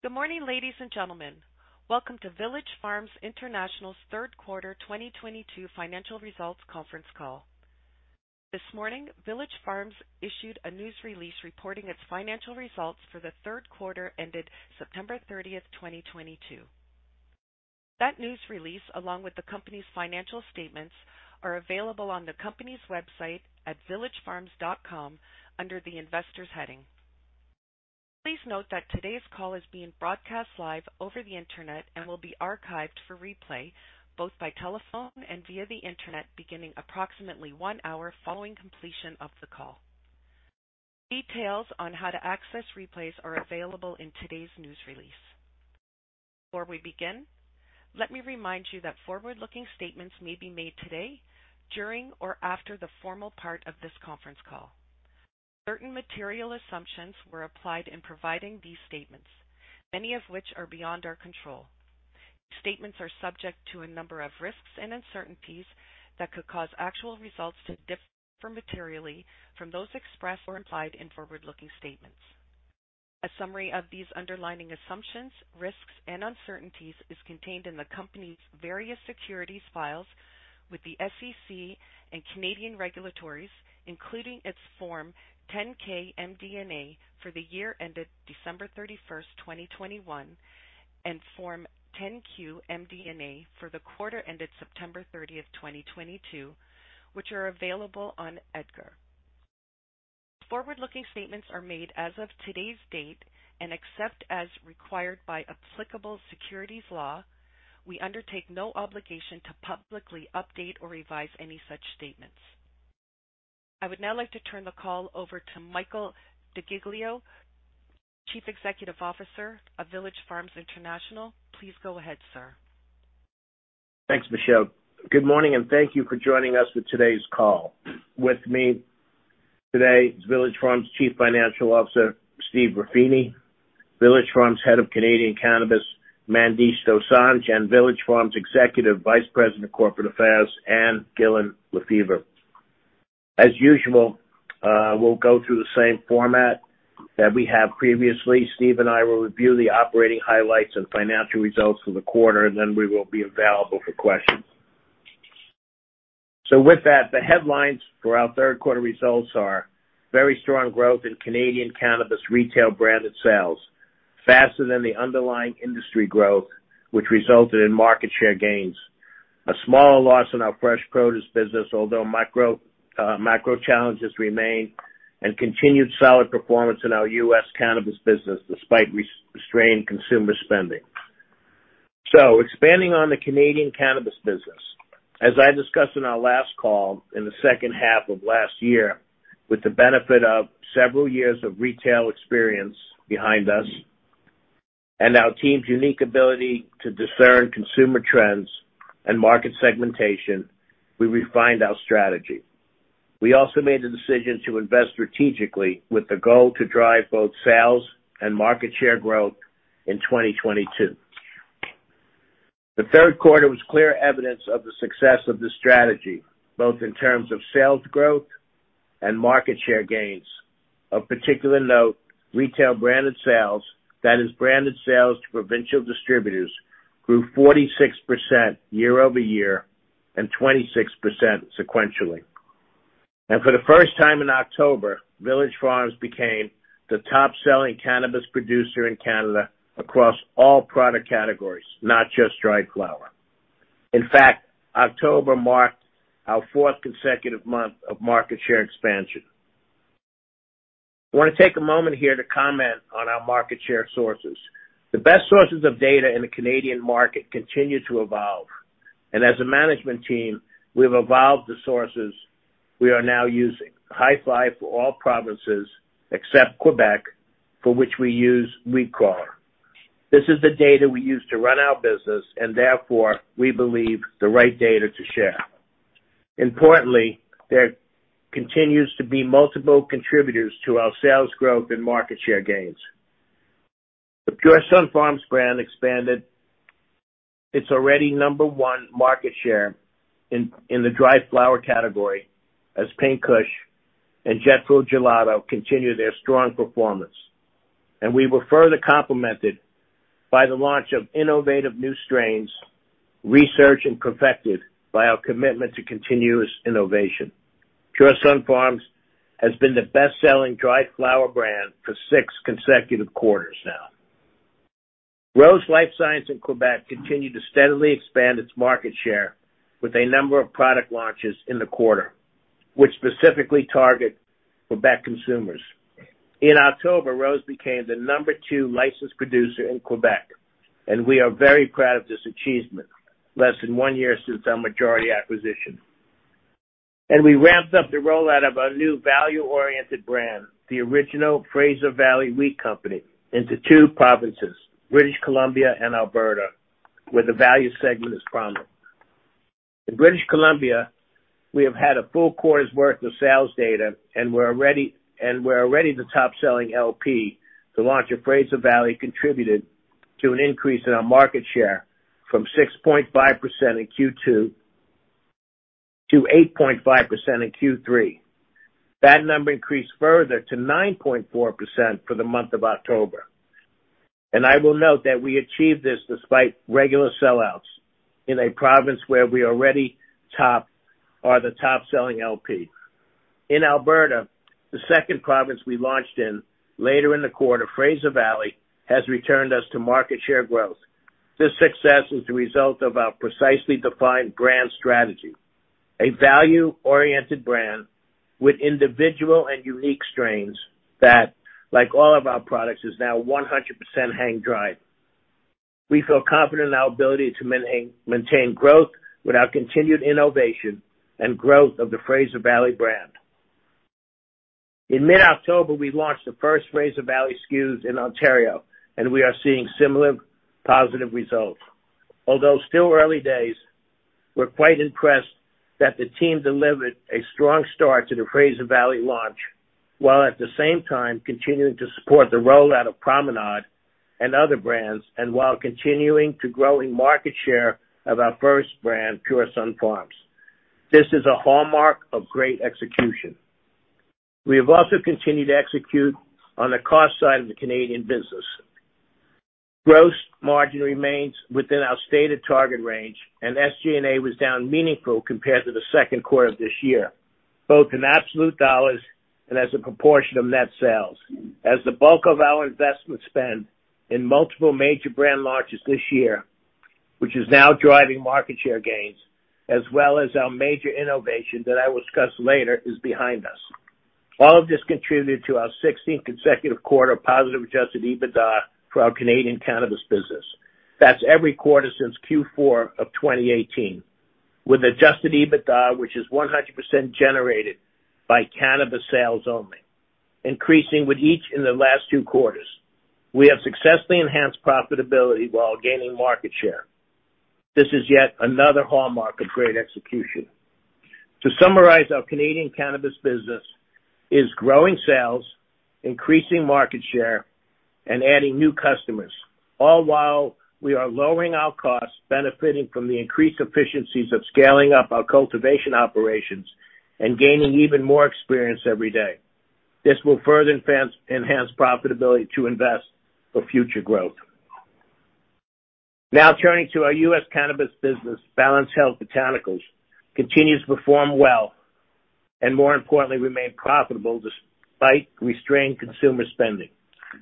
Good morning, ladies and gentlemen. Welcome to Village Farms International's third quarter 2022 financial results conference call. This morning, Village Farms issued a news release reporting its financial results for the third quarter ended September 30th, 2022. That news release, along with the company's financial statements, are available on the company's website at villagefarms.com under the Investors heading. Please note that today's call is being broadcast live over the Internet and will be archived for replay both by telephone and via the Internet beginning approximately one hour following completion of the call. Details on how to access replays are available in today's news release. Before we begin, let me remind you that forward-looking statements may be made today during or after the formal part of this conference call. Certain material assumptions were applied in providing these statements, many of which are beyond our control. Statements are subject to a number of risks and uncertainties that could cause actual results to differ materially from those expressed or implied in forward-looking statements. A summary of these underlying assumptions, risks and uncertainties is contained in the company's various securities filings with the SEC and Canadian regulators, including its Form 10-K MD&A for the year ended December 31st, 2021, and Form 10-Q MD&A for the quarter ended September 30th, 2022, which are available on EDGAR. Forward-looking statements are made as of today's date, and except as required by applicable securities law, we undertake no obligation to publicly update or revise any such statements. I would now like to turn the call over to Michael DeGiglio, Chief Executive Officer of Village Farms International. Please go ahead, sir. Thanks, Michelle. Good morning, and thank you for joining us for today's call. With me today is Village Farms Chief Financial Officer Stephen Ruffini, President and CEO Mandesh Dosanjh, and Village Farms Executive Vice President of Corporate Affairs Ann Gillin Lefever. As usual, we'll go through the same format that we have previously. Steve and I will review the operating highlights and financial results for the quarter, and then we will be available for questions. With that, the headlines for our third quarter results are very strong growth in Canadian cannabis retail branded sales, faster than the underlying industry growth, which resulted in market share gains. A smaller loss in our fresh produce business, although macro challenges remain, and continued solid performance in our U.S. cannabis business despite restrained consumer spending. Expanding on the Canadian cannabis business. As I discussed in our last call in the second half of last year, with the benefit of several years of retail experience behind us and our team's unique ability to discern consumer trends and market segmentation, we refined our strategy. We also made the decision to invest strategically with the goal to drive both sales and market share growth in 2022. The third quarter was clear evidence of the success of this strategy, both in terms of sales growth and market share gains. Of particular note, retail branded sales, that is, branded sales to provincial distributors, grew 46% year over year and 26% sequentially. For the first time in October, Village Farms became the top-selling cannabis producer in Canada across all product categories, not just dried flower. In fact, October marked our fourth consecutive month of market share expansion. I want to take a moment here to comment on our market share sources. The best sources of data in the Canadian market continue to evolve, and as a management team, we've evolved the sources we are now using. Hifyre for all provinces except Quebec, for which we use Weedcrawler. This is the data we use to run our business and therefore we believe the right data to share. Importantly, there continues to be multiple contributors to our sales growth and market share gains. The Pure Sunfarms brand expanded its already number one market share in the dried flower category as Pink Kush and Jet Fuel Gelato continue their strong performance. We were further complemented by the launch of innovative new strains, researched and perfected by our commitment to continuous innovation. Pure Sunfarms has been the best-selling dried flower brand for six consecutive quarters now. Rose LifeScience in Quebec continued to steadily expand its market share with a number of product launches in the quarter, which specifically target Quebec consumers. In October, Rose LifeScience became the number two licensed producer in Quebec, and we are very proud of this achievement less than one year since our majority acquisition. We ramped up the rollout of our new value-oriented brand, The Original Fraser Valley Weed Co., into two provinces, British Columbia and Alberta, where the value segment is prominent. In British Columbia, we have had a full quarter's worth of sales data, and we're already the top-selling LP. The launch of Fraser Valley contributed to an increase in our market share from 6.5% in Q2 to 8.5% in Q3. That number increased further to 9.4% for the month of October. I will note that we achieved this despite regular sellouts in a province where we already are the top selling LP. In Alberta, the second province we launched in later in the quarter, Fraser Valley, has returned us to market share growth. This success is the result of our precisely defined brand strategy, a value-oriented brand with individual and unique strains that, like all of our products, is now 100% hang-dried. We feel confident in our ability to maintain growth with our continued innovation and growth of the Fraser Valley brand. In mid-October, we launched the first Fraser Valley SKUs in Ontario, and we are seeing similar positive results. Although still early days, we're quite impressed that the team delivered a strong start to the Fraser Valley launch, while at the same time continuing to support the rollout of Promenade and other brands and while continuing to grow market share of our first brand, Pure Sunfarms. This is a hallmark of great execution. We have also continued to execute on the cost side of the Canadian business. Gross margin remains within our stated target range, and SG&A was down meaningfully compared to the second quarter of this year, both in absolute dollars and as a proportion of net sales. As the bulk of our investment spend in multiple major brand launches this year, which is now driving market share gains, as well as our major innovation that I will discuss later, is behind us. All of this contributed to our sixteenth consecutive quarter of positive adjusted EBITDA for our Canadian cannabis business. That's every quarter since Q4 of 2018. With adjusted EBITDA, which is 100% generated by cannabis sales only, increasing in each of the last two quarters. We have successfully enhanced profitability while gaining market share. This is yet another hallmark of great execution. To summarize, our Canadian cannabis business is growing sales, increasing market share, and adding new customers, all while we are lowering our costs, benefiting from the increased efficiencies of scaling up our cultivation operations and gaining even more experience every day. This will further enhance profitability and invest for future growth. Now, turning to our U.S. cannabis business, Balanced Health Botanicals continues to perform well and, more importantly, remain profitable despite restrained consumer spending.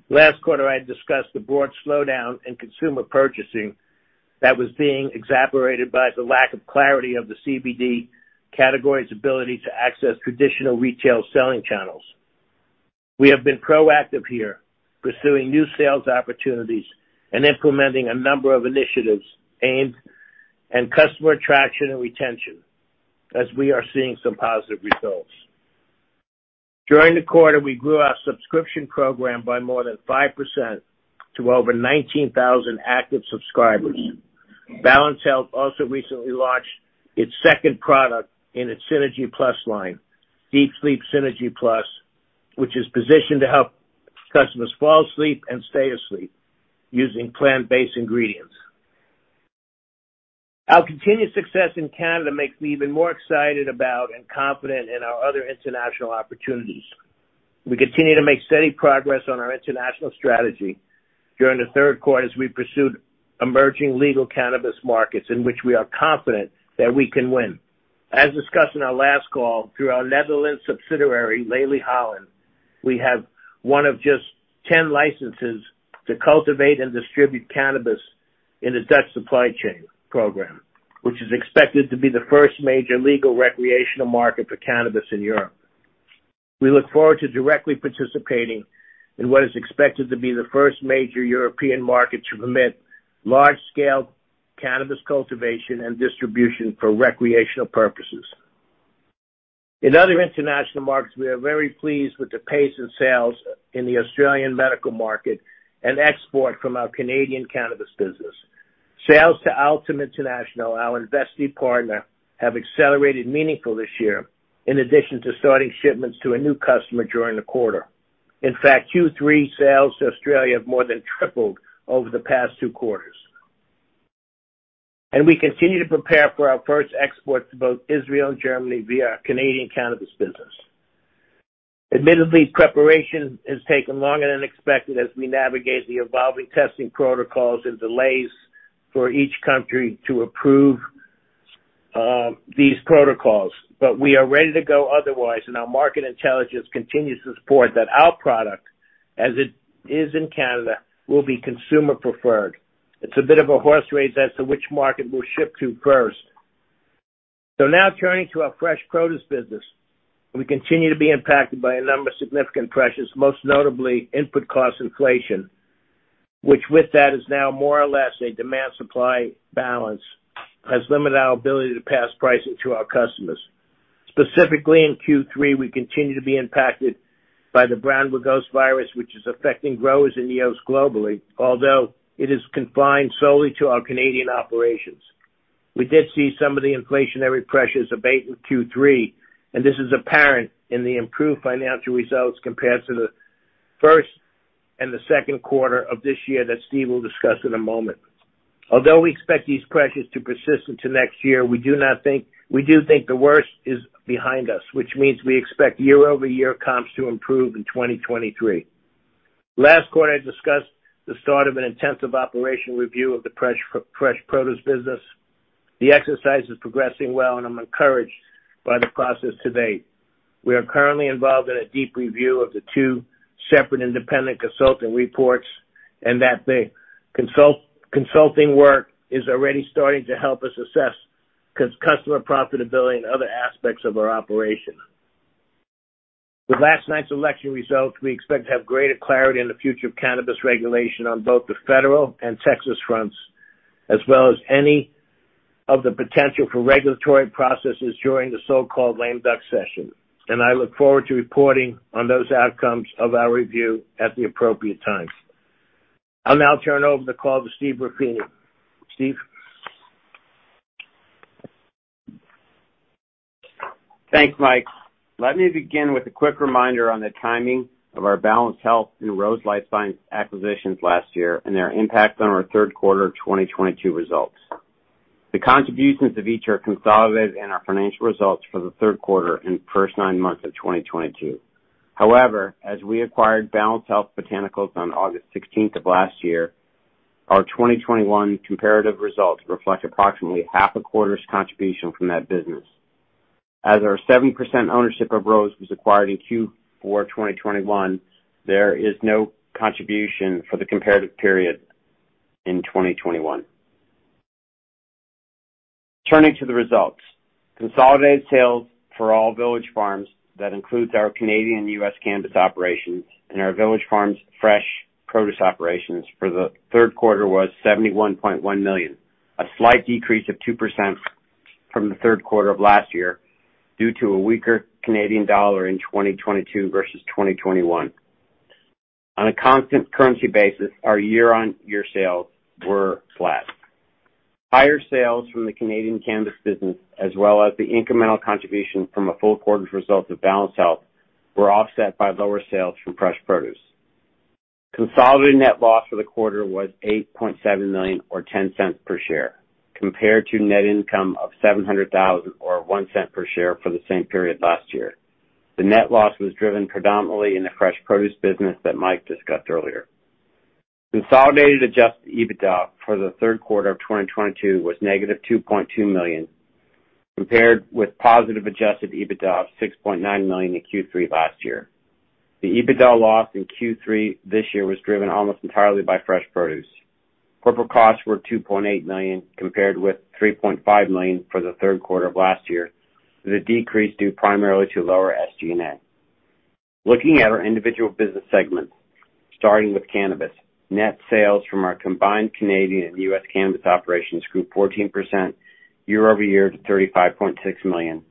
Last quarter, I had discussed the broad slowdown in consumer purchasing that was being exacerbated by the lack of clarity of the CBD category's ability to access traditional retail selling channels. We have been proactive here, pursuing new sales opportunities and implementing a number of initiatives aimed at customer attraction and retention, as we are seeing some positive results. During the quarter, we grew our subscription program by more than 5% to over 19,000 active subscribers. Balanced Health Botanicals also recently launched its second product in its Synergy+ line, Deep Sleep Synergy+, which is positioned to help customers fall asleep and stay asleep using plant-based ingredients. Our continued success in Canada makes me even more excited about and confident in our other international opportunities. We continue to make steady progress on our international strategy. During the third quarter, as we pursued emerging legal cannabis markets in which we are confident that we can win. As discussed in our last call, through our Netherlands subsidiary, Leli Holland, we have one of just ten licenses to cultivate and distribute cannabis in the Dutch supply chain program, which is expected to be the first major legal recreational market for cannabis in Europe. We look forward to directly participating in what is expected to be the first major European market to permit large-scale cannabis cultivation and distribution for recreational purposes. In other international markets, we are very pleased with the pace in sales in the Australian medical market and export from our Canadian cannabis business. Sales to Altum International, our investing partner, have accelerated meaningfully this year, in addition to starting shipments to a new customer during the quarter. In fact, Q3 sales to Australia have more than tripled over the past two quarters. We continue to prepare for our first export to both Israel and Germany via our Canadian cannabis business. Admittedly, preparation has taken longer than expected as we navigate the evolving testing protocols and delays for each country to approve these protocols. We are ready to go otherwise, and our market intelligence continues to support that our product, as it is in Canada, will be consumer preferred. It's a bit of a horse race as to which market we'll ship to first. Now turning to our fresh produce business. We continue to be impacted by a number of significant pressures, most notably input cost inflation, which with that is now more or less a demand-supply balance, has limited our ability to pass pricing to our customers. Specifically in Q3, we continue to be impacted by the tomato brown rugose fruit virus, which is affecting growers in the U.S. globally, although it is confined solely to our Canadian operations. We did see some of the inflationary pressures abate in Q3, and this is apparent in the improved financial results compared to the first and the second quarter of this year that Steve will discuss in a moment. Although we expect these pressures to persist into next year, we do think the worst is behind us, which means we expect year-over-year comps to improve in 2023. Last quarter, I discussed the start of an intensive operational review of the fresh produce business. The exercise is progressing well and I'm encouraged by the process to date. We are currently involved in a deep review of the two separate independent consulting reports and that the consulting work is already starting to help us assess customer profitability and other aspects of our operation. With last night's election results, we expect to have greater clarity in the future of cannabis regulation on both the federal and Texas fronts, as well as any of the potential for regulatory processes during the so-called lame duck session. I look forward to reporting on those outcomes of our review at the appropriate time. I'll now turn over the call to Stephen Ruffini. Steve? Thanks, Mike. Let me begin with a quick reminder on the timing of our Balanced Health and Rose LifeScience acquisitions last year and their impact on our third quarter 2022 results. The contributions of each are consolidated in our financial results for the third quarter and first nine months of 2022. However, as we acquired Balanced Health Botanicals on August 16th of last year, our 2021 comparative results reflect approximately half a quarter's contribution from that business. As our 70% ownership of Rose was acquired in Q4 2021, there is no contribution for the comparative period in 2021. Turning to the results. Consolidated sales for all Village Farms, that includes our Canadian and U.S. cannabis operations and our Village Farms fresh produce operations for the third quarter was $71.1 million, a slight decrease of 2% from the third quarter of last year due to a weaker Canadian dollar in 2022 versus 2021. On a constant currency basis, our year-on-year sales were flat. Higher sales from the Canadian cannabis business, as well as the incremental contribution from a full quarter's results of Balanced Health Botanicals, were offset by lower sales from fresh produce. Consolidated net loss for the quarter was $8.7 million or $0.10 per share, compared to net income of $700,000 or $0.01 per share for the same period last year. The net loss was driven predominantly in the fresh produce business that Mike discussed earlier. Consolidated adjusted EBITDA for the third quarter of 2022 was -$2.2 million, compared with positive adjusted EBITDA of $6.9 million in Q3 last year. The EBITDA loss in Q3 this year was driven almost entirely by fresh produce. Corporate costs were $2.8 million, compared with $3.5 million for the third quarter of last year. The decrease due primarily to lower SG&A. Looking at our individual business segments, starting with cannabis. Net sales from our combined Canadian and U.S. cannabis operations grew 14% year-over-year to $35.6 million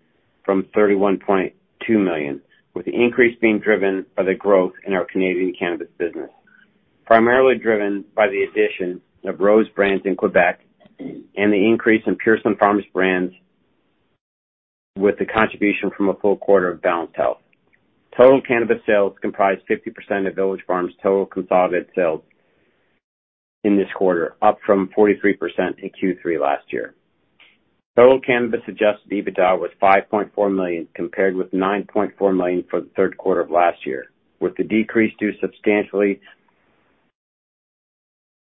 from $31.2 million, with the increase being driven by the growth in our Canadian cannabis business, primarily driven by the addition of Rose brands in Quebec and the increase in Pure Sunfarms brands with the contribution from a full quarter of Balanced Health. Total cannabis sales comprised 50% of Village Farms' total consolidated sales in this quarter, up from 43% in Q3 last year. Total cannabis adjusted EBITDA was $5.4 million, compared with $9.4 million for the third quarter of last year, with the decrease due substantially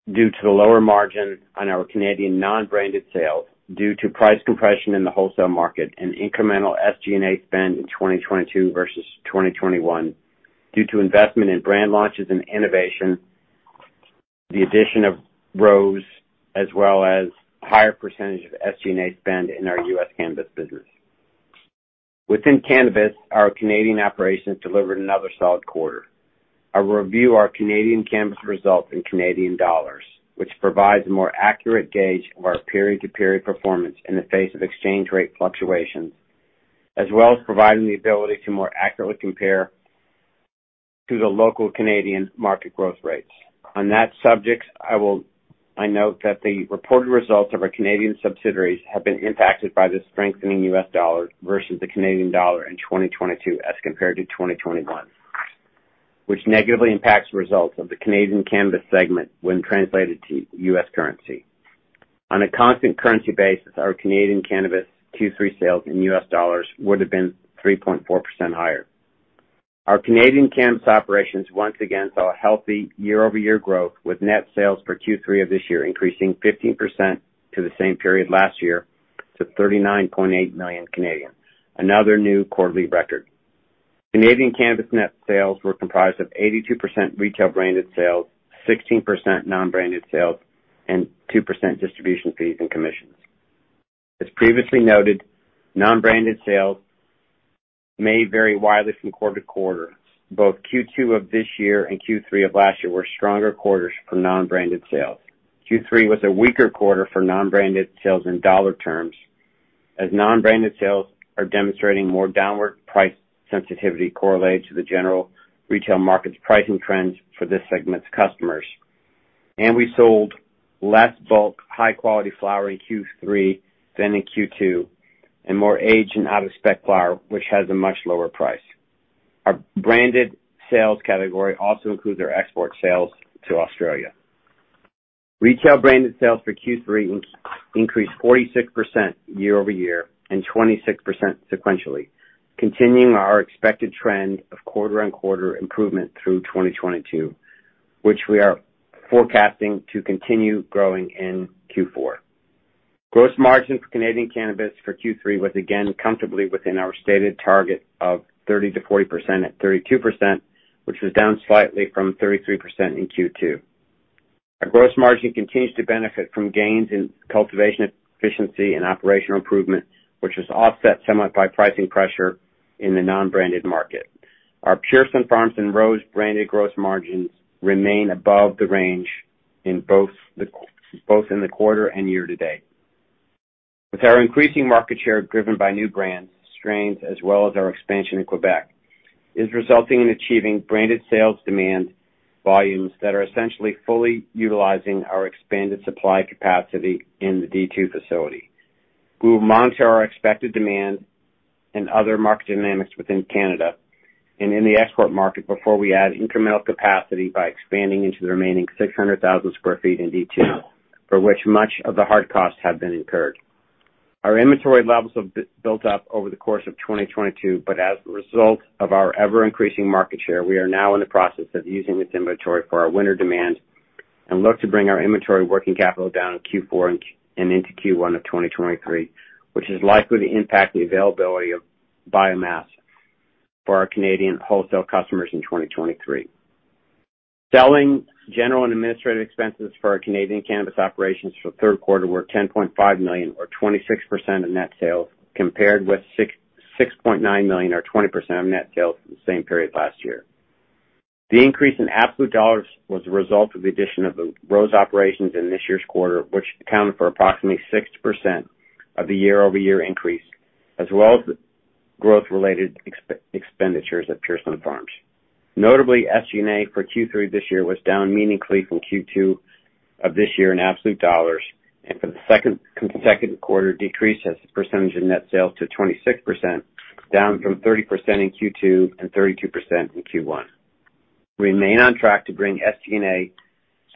to the lower margin on our Canadian non-branded sales due to price compression in the wholesale market and incremental SG&A spend in 2022 versus 2021 due to investment in brand launches and innovation, the addition of Rose, as well as higher percentage of SG&A spend in our U.S. cannabis business. Within cannabis, our Canadian operations delivered another solid quarter. I review our Canadian cannabis results in Canadian dollars, which provides a more accurate gauge of our period-to-period performance in the face of exchange rate fluctuations, as well as providing the ability to more accurately compare to the local Canadian market growth rates. On that subject, I note that the reported results of our Canadian subsidiaries have been impacted by the strengthening U.S. dollar versus the Canadian dollar in 2022 as compared to 2021, which negatively impacts results of the Canadian cannabis segment when translated to U.S. Currency. On a constant currency basis, our Canadian cannabis Q3 sales in U.S. dollars would have been 3.4% higher. Our Canadian cannabis operations once again saw a healthy year-over-year growth with net sales for Q3 of this year increasing 15% to the same period last year to 39.8 million, another new quarterly record. Canadian cannabis net sales were comprised of 82% retail branded sales, 16% non-branded sales, and 2% distribution fees and commissions. As previously noted, non-branded sales may vary widely from quarter to quarter. Both Q2 of this year and Q3 of last year were stronger quarters for non-branded sales. Q3 was a weaker quarter for non-branded sales in dollar terms, as non-branded sales are demonstrating more downward price sensitivity correlates to the general retail market's pricing trends for this segment's customers. We sold less bulk high quality flower in Q3 than in Q2, and more aged and out-of-spec flower, which has a much lower price. Our branded sales category also includes our export sales to Australia. Retail branded sales for Q3 increased 46% year-over-year and 26% sequentially, continuing our expected trend of quarter-over-quarter improvement through 2022, which we are forecasting to continue growing in Q4. Gross margin for Canadian cannabis for Q3 was again comfortably within our stated target of 30% to 40% at 32%, which was down slightly from 33% in Q2. Our gross margin continues to benefit from gains in cultivation efficiency and operational improvement, which was offset somewhat by pricing pressure in the non-branded market. Our Pure Sunfarms and Rose LifeScience branded gross margins remain above the range in both the quarter and year to date. With our increasing market share driven by new brands, strains, as well as our expansion in Quebec, is resulting in achieving branded sales demand volumes that are essentially fully utilizing our expanded supply capacity in the D2 facility. We will monitor our expected demand and other market dynamics within Canada and in the export market before we add incremental capacity by expanding into the remaining 600,000 sq ft in D2, for which much of the hard costs have been incurred. Our inventory levels have built up over the course of 2022, but as a result of our ever-increasing market share, we are now in the process of using this inventory for our winter demand and look to bring our inventory working capital down in Q4 and into Q1 of 2023. Which is likely to impact the availability of biomass for our Canadian wholesale customers in 2023. Selling, general and administrative expenses for our Canadian cannabis operations for third quarter were 10.5 million or 26% of net sales, compared with 6.6 million or 20% of net sales for the same period last year. The increase in absolute dollars was a result of the addition of the Rose operations in this year's quarter, which accounted for approximately 60% of the year-over-year increase, as well as the growth-related expenditures at Pure Sunfarms. Notably, SG&A for Q3 this year was down meaningfully from Q2 of this year in absolute dollars and for the second consecutive quarter decreased as a percentage of net sales to 26%, down from 30% in Q2 and 32% in Q1. Remain on track to bring SG&A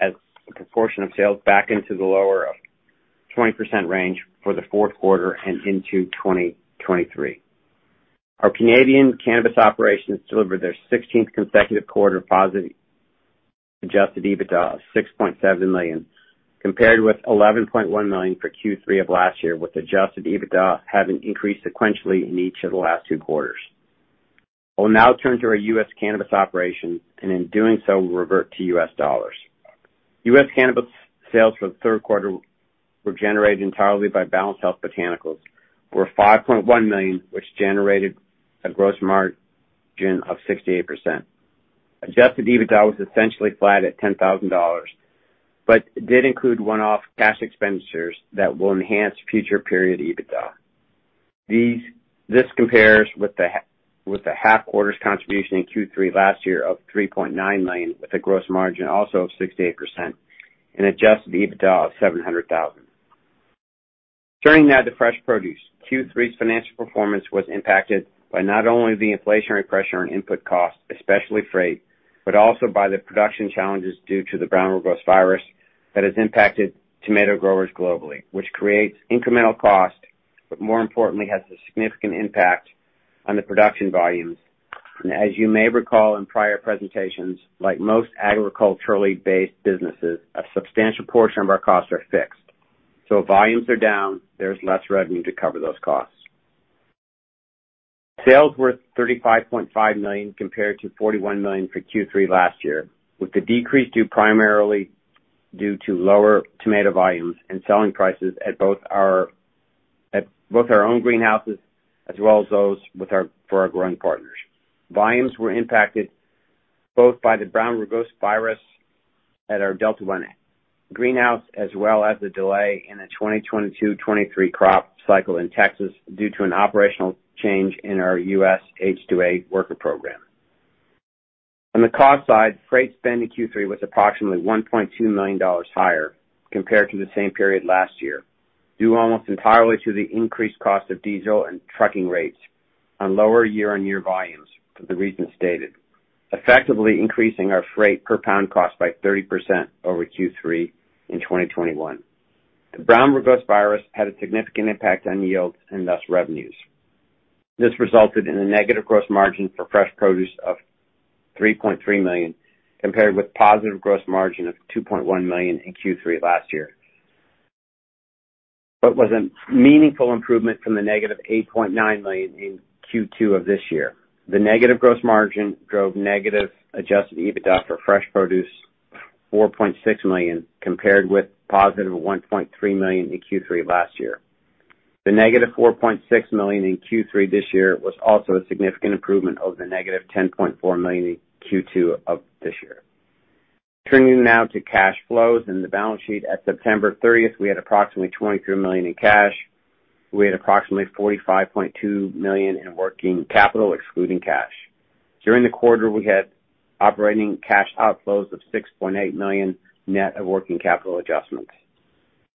as a proportion of sales back into the lower 20% range for the fourth quarter and into 2023. Our Canadian cannabis operations delivered their 16th consecutive quarter positive adjusted EBITDA of 6.7 million, compared with 11.1 million for Q3 of last year, with adjusted EBITDA having increased sequentially in each of the last two quarters. I will now turn to our U.S. cannabis operation, and in doing so will revert to U.S. dollars. U.S. cannabis sales for the third quarter were generated entirely by Balanced Health Botanicals, were $5.1 million, which generated a gross margin of 68%. Adjusted EBITDA was essentially flat at $10,000, but it did include one-off cash expenditures that will enhance future period EBITDA. This compares with the half quarter's contribution in Q3 last year of $3.9 million, with a gross margin also of 68% and adjusted EBITDA of $700,000. Turning now to fresh produce. Q3's financial performance was impacted by not only the inflationary pressure on input costs, especially freight, but also by the production challenges due to the tomato brown rugose fruit virus that has impacted tomato growers globally, which creates incremental cost, but more importantly has a significant impact on the production volumes. As you may recall in prior presentations, like most agriculturally based businesses, a substantial portion of our costs are fixed. Volumes are down, there's less revenue to cover those costs. Sales were $35.5 million compared to $41 million for Q3 last year, with the decrease due primarily to lower tomato volumes and selling prices at both our own greenhouses as well as those for our growing partners. Volumes were impacted both by the brown rugose virus at our Delta-1 greenhouse, as well as the delay in the 2022-2023 crop cycle in Texas due to an operational change in our U.S. H-2A worker program. On the cost side, freight spend in Q3 was approximately $1.2 million higher compared to the same period last year, due almost entirely to the increased cost of diesel and trucking rates on lower year-on-year volumes for the reasons stated. Effectively increasing our freight per pound cost by 30% over Q3 in 2021. The brown rugose virus had a significant impact on yields and thus revenues. This resulted in a negative gross margin for fresh produce of $3.3 million, compared with positive gross margin of $2.1 million in Q3 of last year. It was a meaningful improvement from the negative $8.9 million in Q2 of this year. The negative gross margin drove negative adjusted EBITDA for fresh produce $4.6 million, compared with positive $1.3 million in Q3 last year. The negative $4.6 million in Q3 this year was also a significant improvement over the negative $10.4 million in Q2 of this year. Turning now to cash flows and the balance sheet, at September 30th, we had approximately $23 million in cash. We had approximately $45.2 million in working capital excluding cash. During the quarter, we had operating cash outflows of $6.8 million net of working capital adjustments.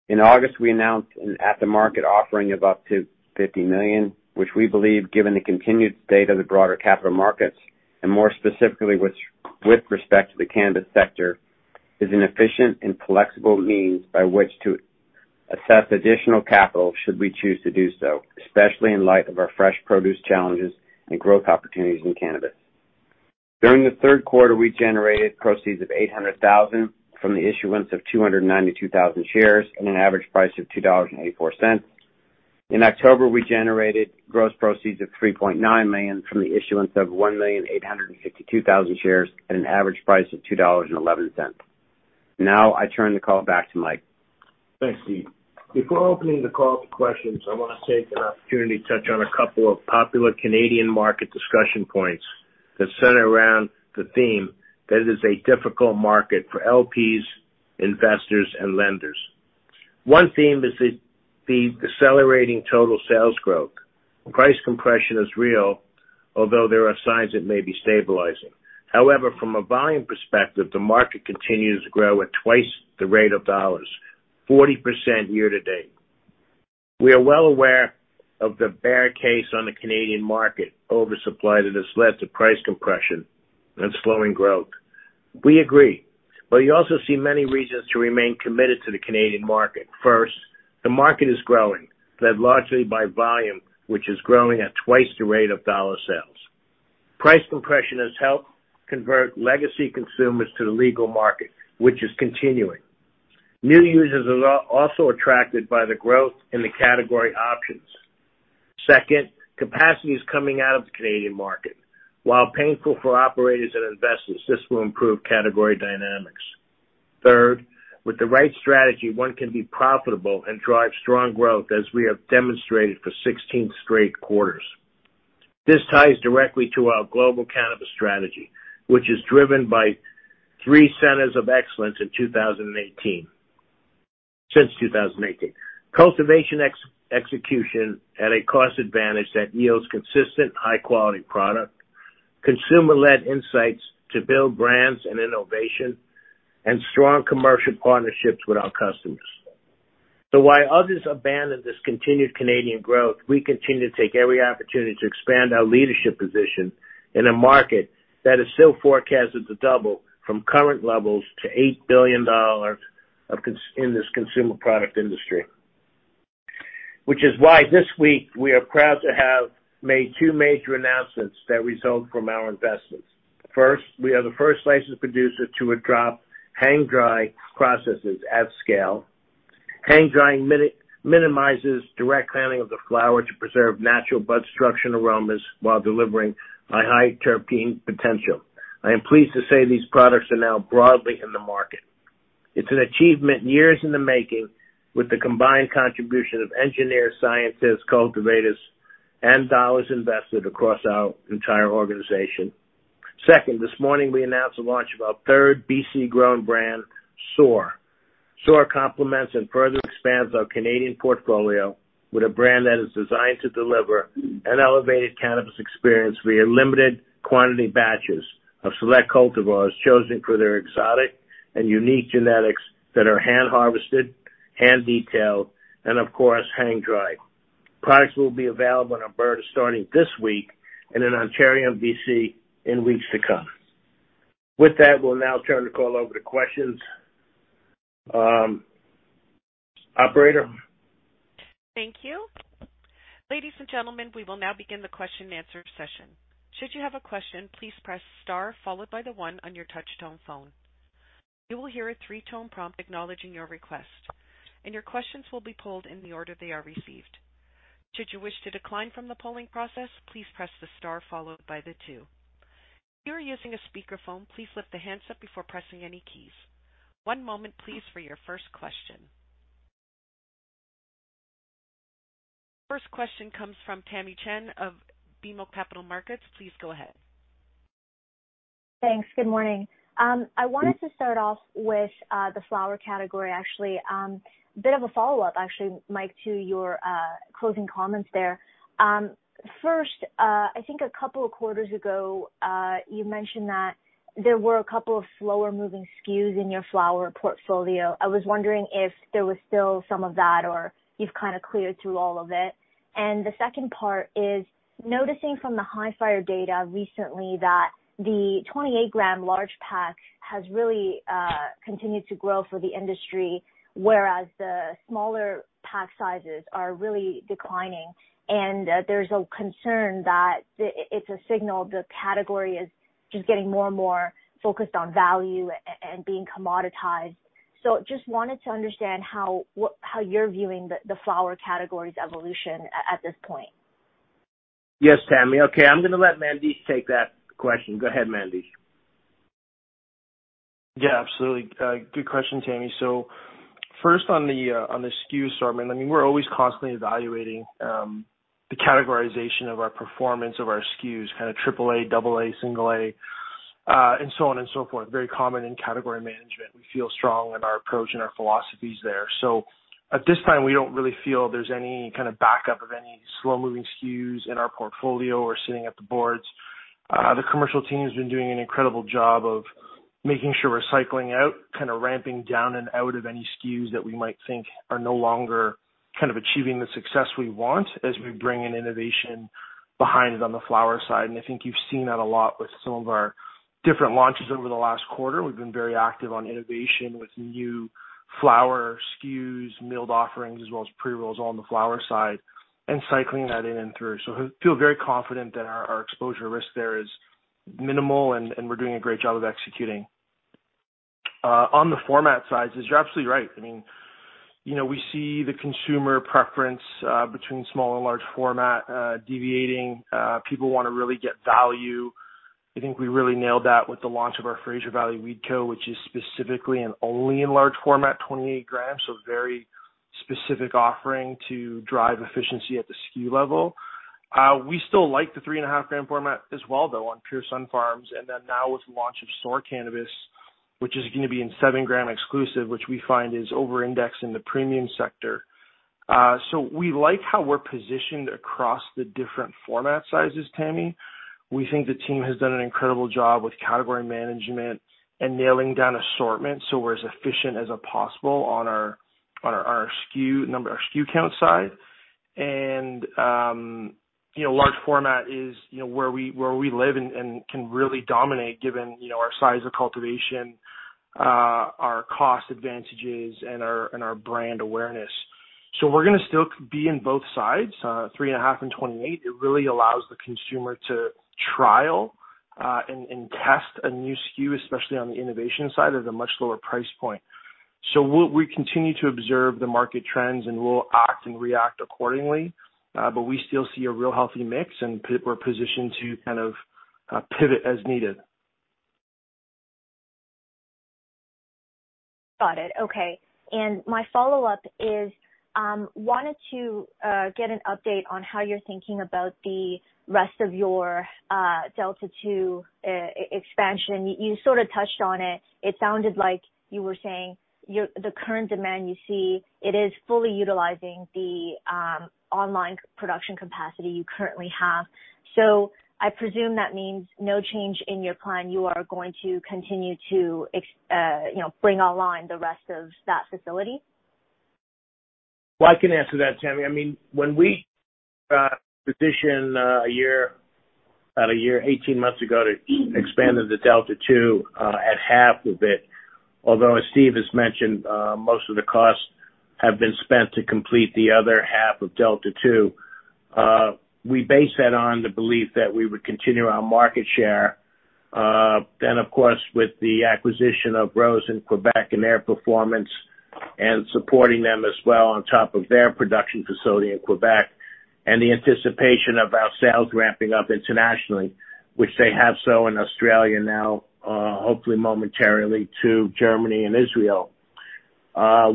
In August, we announced an at-the-market offering of up to $50 million, which we believe, given the continued state of the broader capital markets and more specifically with respect to the cannabis sector, is an efficient and flexible means by which to access additional capital should we choose to do so, especially in light of our fresh produce challenges and growth opportunities in cannabis. During the third quarter, we generated proceeds of $800,000 from the issuance of 292,000 shares at an average price of $2.84. In October, we generated gross proceeds of $3.9 million from the issuance of 1,852,000 shares at an average price of $2.11. Now I turn the call back to Mike. Thanks, Steve. Before opening the call up to questions, I want to take the opportunity to touch on a couple of popular Canadian market discussion points that center around the theme that it is a difficult market for LPs, investors and lenders. One theme is the decelerating total sales growth. Price compression is real, although there are signs it may be stabilizing. However, from a volume perspective, the market continues to grow at twice the rate of dollars, 40% year to date. We are well aware of the bear case on the Canadian market oversupply that has led to price compression and slowing growth. We agree, but you also see many reasons to remain committed to the Canadian market. First, the market is growing, led largely by volume, which is growing at twice the rate of dollar sales. Price compression has helped convert legacy consumers to the legal market, which is continuing. New users are also attracted by the growth in the category options. Second, capacity is coming out of the Canadian market. While painful for operators and investors, this will improve category dynamics. Third, with the right strategy, one can be profitable and drive strong growth as we have demonstrated for 16 straight quarters. This ties directly to our global cannabis strategy, which is driven by three centers of excellence in 2018. Cultivation execution at a cost advantage that yields consistent high quality product, consumer-led insights to build brands and innovation, and strong commercial partnerships with our customers. While others abandon this continued Canadian growth, we continue to take every opportunity to expand our leadership position in a market that is still forecasted to double from current levels to $8 billion in this consumer product industry. Which is why this week we are proud to have made two major announcements that result from our investments. First, we are the first licensed producer to adopt hang-dry processes at scale. Hang-drying minimizes direct handling of the flower to preserve natural bud structure and aromas while delivering a high terpene potential. I am pleased to say these products are now broadly in the market. It's an achievement years in the making with the combined contribution of engineers, scientists, cultivators and dollars invested across our entire organization. Second, this morning we announced the launch of our third B.C. Grown brand, Soar. Soar complements and further expands our Canadian portfolio with a brand that is designed to deliver an elevated cannabis experience via limited quantity batches of select cultivars chosen for their exotic and unique genetics that are hand-harvested, hand-detailed, and of course, hang-dried. Products will be available in Alberta starting this week and in Ontario and BC in weeks to come. With that, we'll now turn the call over to questions. Operator? Thank you. Ladies and gentlemen, we will now begin the question and answer session. Should you have a question, please press star followed by the one on your touchtone phone. You will hear a three-tone prompt acknowledging your request, and your questions will be polled in the order they are received. Should you wish to decline from the polling process, please press the star followed by the two. If you are using a speakerphone, please lift the handset before pressing any keys. One moment please for your first question. First question comes from Tamy Chen of BMO Capital Markets. Please go ahead. Thanks. Good morning. I wanted to start off with the flower category, actually. A bit of a follow-up actually, Mike, to your closing comments there. First, I think a couple of quarters ago, you mentioned that there were a couple of slower moving SKUs in your flower portfolio. I was wondering if there was still some of that or you've kind of cleared through all of it. The second part is noticing from the Hifyre data recently that the 28 g large pack has really continued to grow for the industry, whereas the smaller pack sizes are really declining. There's a concern that it's a signal the category is just getting more and more focused on value and being commoditized. Just wanted to understand how you're viewing the flower category's evolution at this point. Yes, Tamy. Okay. I'm gonna let Mandi take that question. Go ahead, Mandesh. Yeah, absolutely. Good question, Tamy. First on the SKU assortment, I mean, we're always constantly evaluating the categorization of our performance of our SKUs, kind of AAA, AA, A. On and so forth. Very common in category management. We feel strong in our approach and our philosophies there. At this time, we don't really feel there's any kind of backup of any slow-moving SKUs in our portfolio or sitting at the boards. The commercial team has been doing an incredible job of making sure we're cycling out, kind of ramping down and out of any SKUs that we might think are no longer kind of achieving the success we want as we bring in innovation behind it on the flower side. I think you've seen that a lot with some of our different launches over the last quarter. We've been very active on innovation with new flower SKUs, milled offerings, as well as pre-rolls on the flower side and cycling that in and through. I feel very confident that our exposure risk there is minimal, and we're doing a great job of executing. On the format sizes, you're absolutely right. I mean, you know, we see the consumer preference between small and large format deviating. People wanna really get value. I think we really nailed that with the launch of our Fraser Valley Weed Co., which is specifically and only in large format, 28 g, so very specific offering to drive efficiency at the SKU level. We still like the 3.5 g format as well, though on Pure Sunfarms, and then now with the launch of Soar Cannabis, which is gonna be in 7 g exclusive, which we find is over indexed in the premium sector. We like how we're positioned across the different format sizes, Tamy. We think the team has done an incredible job with category management and nailing down assortment, so we're as efficient as possible on our SKU number, our SKU count side. Large format is where we live and can really dominate given our size of cultivation, our cost advantages and our brand awareness. We're gonna still be in both sides, 3.5 g and 28 g. It really allows the consumer to trial and test a new SKU, especially on the innovation side at a much lower price point. We continue to observe the market trends, and we'll act and react accordingly. We still see a real healthy mix, and we're positioned to kind of pivot as needed. Got it. Okay. My follow-up is wanted to get an update on how you're thinking about the rest of your DELTA 2 expansion. You sort of touched on it. It sounded like you were saying the current demand you see is fully utilizing the online production capacity you currently have. I presume that means no change in your plan. You are going to continue to bring online the rest of that facility. Well, I can answer that, Tamy. I mean, when we positioned about a year, 18 months ago to expand into DELTA 2 at half of it, although as Steve has mentioned, most of the costs have been spent to complete the other half of DELTA 2. We base that on the belief that we would continue our market share. Of course, with the acquisition of Rose LifeScience in Quebec and their performance and supporting them as well on top of their production facility in Quebec, and the anticipation of our sales ramping up internationally, which they have so in Australia now, hopefully momentarily to Germany and Israel,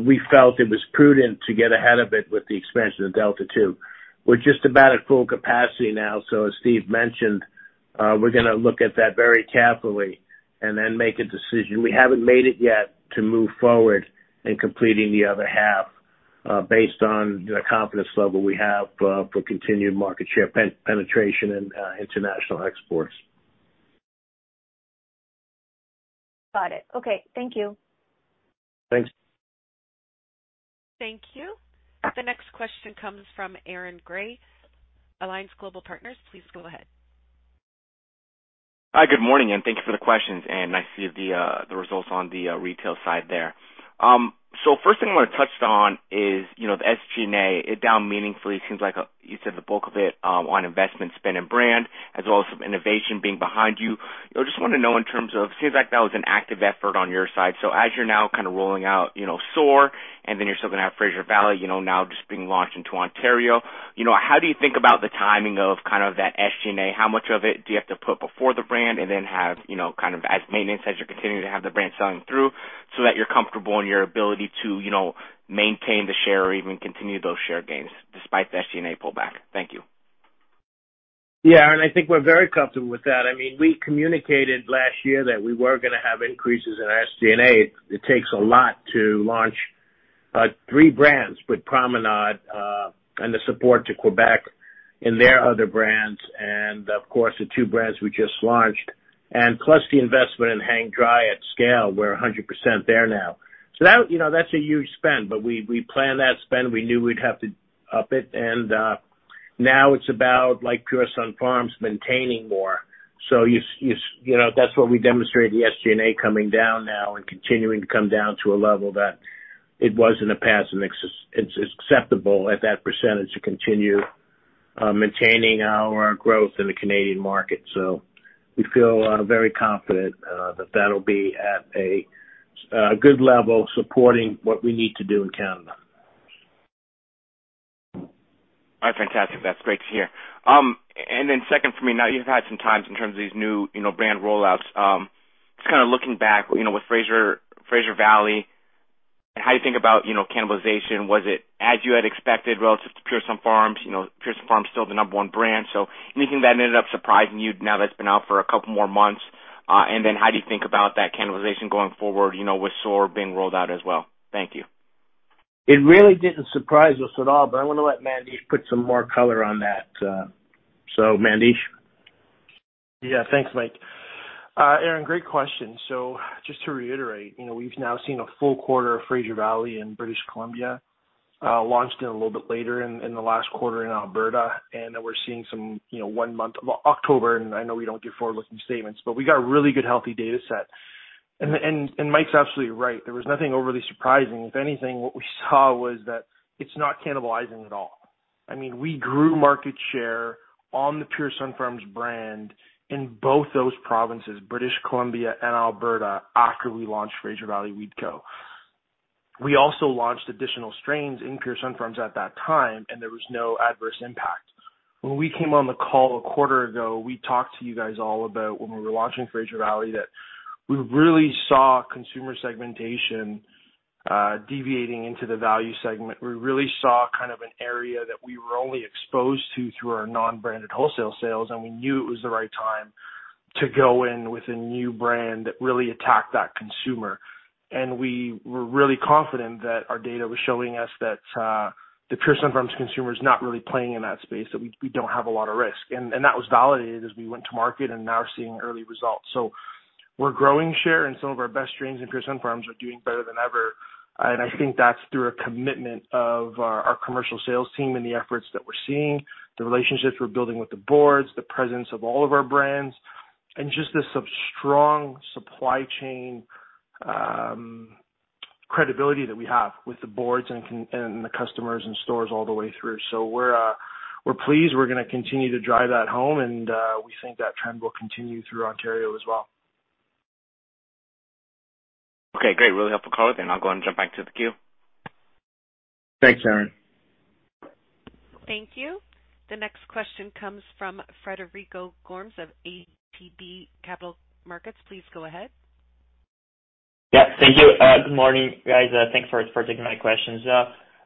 we felt it was prudent to get ahead of it with the expansion of DELTA 2. We're just about at full capacity now, so as Steve mentioned, we're gonna look at that very carefully and then make a decision. We haven't made it yet to move forward in completing the other half, based on the confidence level we have, for continued market share penetration and, international exports. Got it. Okay. Thank you. Thanks. Thank you. The next question comes from Aaron Grey, Alliance Global Partners. Please go ahead. Hi, good morning, and thank you for the questions, and nice to see the results on the retail side there. First thing I want to touch on is, you know, the SG&A. It down meaningfully. It seems like, you said the bulk of it on investment spend and brand, as well as some innovation being behind you. I just wanna know in terms of, it seems like that was an active effort on your side. As you're now kind of rolling out, you know, Soar, and then you're still gonna have Fraser Valley, you know, now just being launched into Ontario, you know, how do you think about the timing of kind of that SG&A? How much of it do you have to put before the brand and then have, you know, kind of as maintenance as you're continuing to have the brand selling through so that you're comfortable in your ability to, you know, maintain the share or even continue those share gains despite the SG&A pullback? Thank you. Yeah. I think we're very comfortable with that. I mean, we communicated last year that we were gonna have increases in our SG&A. It takes a lot to launch three brands with Promenade and the support to Quebec and their other brands and of course, the two brands we just launched. Plus the investment in hang-dry at scale, we're 100% there now. So that, you know, that's a huge spend, but we planned that spend. We knew we'd have to up it. Now it's about like Pure Sunfarms maintaining more. So you know, that's what we demonstrated the SG&A coming down now and continuing to come down to a level that it was in the past, and it's acceptable at that percentage to continue maintaining our growth in the Canadian market. We feel very confident that that'll be at a good level supporting what we need to do in Canada. All right. Fantastic. That's great to hear. Second for me, now you've had some time in terms of these new, you know, brand rollouts. Just kind of looking back, you know, with Fraser Valley. How do you think about, you know, cannibalization? Was it as you had expected relative to Pure Sunfarms? You know, Pure Sunfarms is still the number one brand. Anything that ended up surprising you now that's been out for a couple more months, and then how do you think about that cannibalization going forward, you know, with Soar being rolled out as well? Thank you. It really didn't surprise us at all, but I want to let Mandesh put some more color on that. Mandesh. Yeah. Thanks, Mike. Aaron, great question. Just to reiterate, we've now seen a full quarter of Fraser Valley in British Columbia, launched it a little bit later in the last quarter in Alberta, and then we're seeing some one month of October, and I know we don't do forward-looking statements, but we got a really good, healthy data set. Mike's absolutely right. There was nothing overly surprising. If anything, what we saw was that it's not cannibalizing at all. I mean, we grew market share on the Pure Sunfarms brand in both those provinces, British Columbia and Alberta, after we launched Fraser Valley Weed Co. We also launched additional strains in Pure Sunfarms at that time, and there was no adverse impact. When we came on the call a quarter ago, we talked to you guys all about when we were launching Fraser Valley, that we really saw consumer segmentation deviating into the value segment. We really saw kind of an area that we were only exposed to through our non-branded wholesale sales, and we knew it was the right time to go in with a new brand that really attacked that consumer. We were really confident that our data was showing us that the Pure Sunfarms consumer is not really playing in that space, that we don't have a lot of risk. That was validated as we went to market and now we're seeing early results. We're growing share and some of our best strains in Pure Sunfarms are doing better than ever. I think that's through a commitment of our commercial sales team and the efforts that we're seeing, the relationships we're building with the boards, the presence of all of our brands, and just the super-strong supply chain credibility that we have with the boards and the customers and stores all the way through. We're pleased. We're gonna continue to drive that home, and we think that trend will continue through Ontario as well. Okay, great. Really helpful color, and I'll go and jump back to the queue. Thanks, Aaron. Thank you. The next question comes from Frederico Gomes of ATB Capital Markets. Please go ahead. Yeah, thank you. Good morning, guys. Thanks for taking my questions.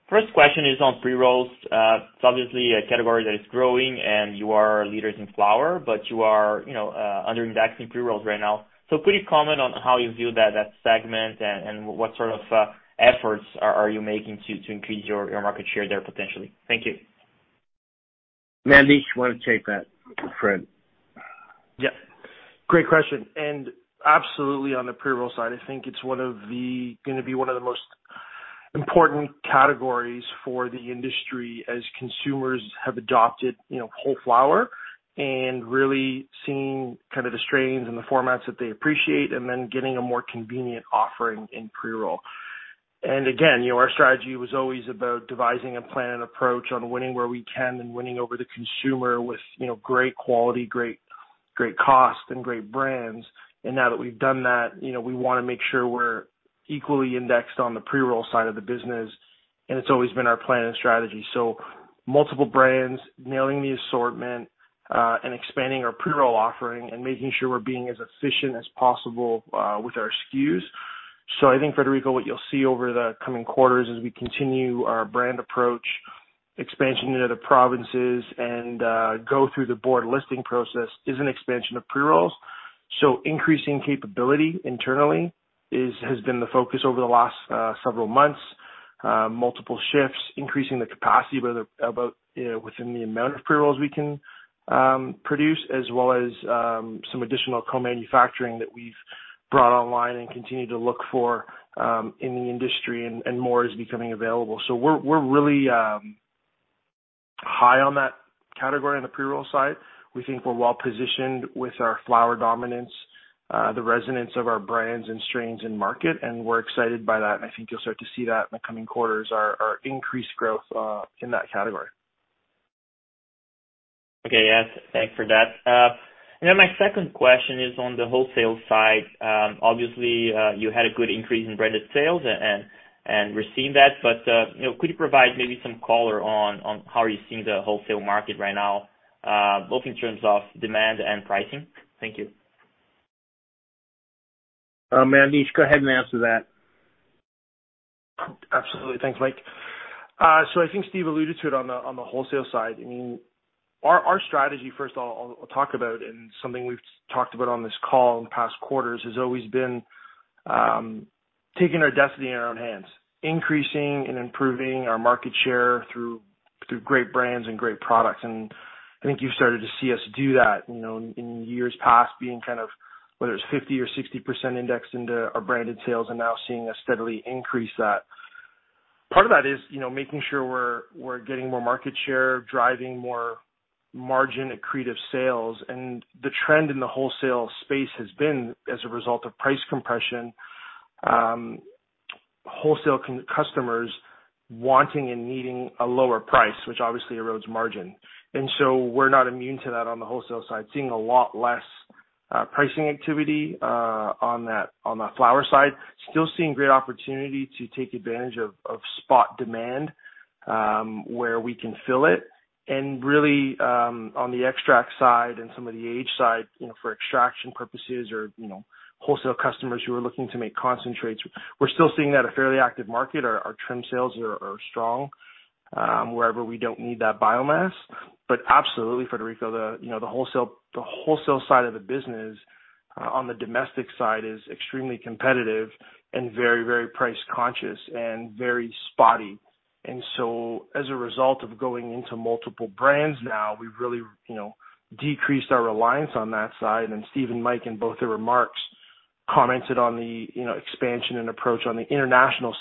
First question is on pre-rolls. It's obviously a category that is growing and you are leaders in flower, but you are, you know, under indexing pre-rolls right now. Could you comment on how you view that segment and what sort of efforts are you making to increase your market share there potentially? Thank you. Mandesh, you wanna take that, Fred? Yeah. Great question. Absolutely, on the pre-roll side, I think it's one of the most important categories for the industry as consumers have adopted, you know, whole flower and really seeing kind of the strains and the formats that they appreciate, and then getting a more convenient offering in pre-roll. Again, you know, our strategy was always about devising a plan and approach on winning where we can and winning over the consumer with, you know, great quality, great cost, and great brands. Now that we've done that, you know, we wanna make sure we're equally indexed on the pre-roll side of the business. It's always been our plan and strategy. Multiple brands, nailing the assortment, and expanding our pre-roll offering and making sure we're being as efficient as possible with our SKUs. I think, Frederico, what you'll see over the coming quarters as we continue our brand approach, expansion into the provinces and go through the board listing process is an expansion of pre-rolls. Increasing capability internally has been the focus over the last several months, multiple shifts, increasing the capacity within the amount of pre-rolls we can produce, as well as some additional co-manufacturing that we've brought online and continue to look for in the industry and more is becoming available. We're really high on that category on the pre-roll side. We think we're well-positioned with our flower dominance, the resonance of our brands and strains in market, and we're excited by that. I think you'll start to see that in the coming quarters, our increased growth in that category. Okay. Yes. Thanks for that. My second question is on the wholesale side. Obviously, you had a good increase in branded sales and we're seeing that, but you know, could you provide maybe some color on how you're seeing the wholesale market right now, both in terms of demand and pricing? Thank you. Mandesh, go ahead and answer that. Absolutely. Thanks, Mike. So I think Steve alluded to it on the wholesale side. I mean, our strategy, first of all, I'll talk about and something we've talked about on this call in past quarters, has always been taking our destiny in our own hands, increasing and improving our market share through great brands and great products. I think you've started to see us do that, you know, in years past being kind of, whether it's 50% or 60% indexed into our branded sales and now seeing us steadily increase that. Part of that is, you know, making sure we're getting more market share, driving more margin accretive sales. The trend in the wholesale space has been as a result of price compression, wholesale customers wanting and needing a lower price, which obviously erodes margin. We're not immune to that on the wholesale side. Seeing a lot less pricing activity on that flower side. Still seeing great opportunity to take advantage of spot demand where we can fill it. Really, on the extract side and some of the age side, you know, for extraction purposes or, you know, wholesale customers who are looking to make concentrates, we're still seeing a fairly active market. Our trim sales are strong wherever we don't need that biomass. But absolutely, Frederico, you know, the wholesale side of the business on the domestic side is extremely competitive and very, very price conscious and very spotty. As a result of going into multiple brands now, we've really, you know, decreased our reliance on that side. Steve and Mike, in both their remarks, commented on the, you know, expansion and approach on the international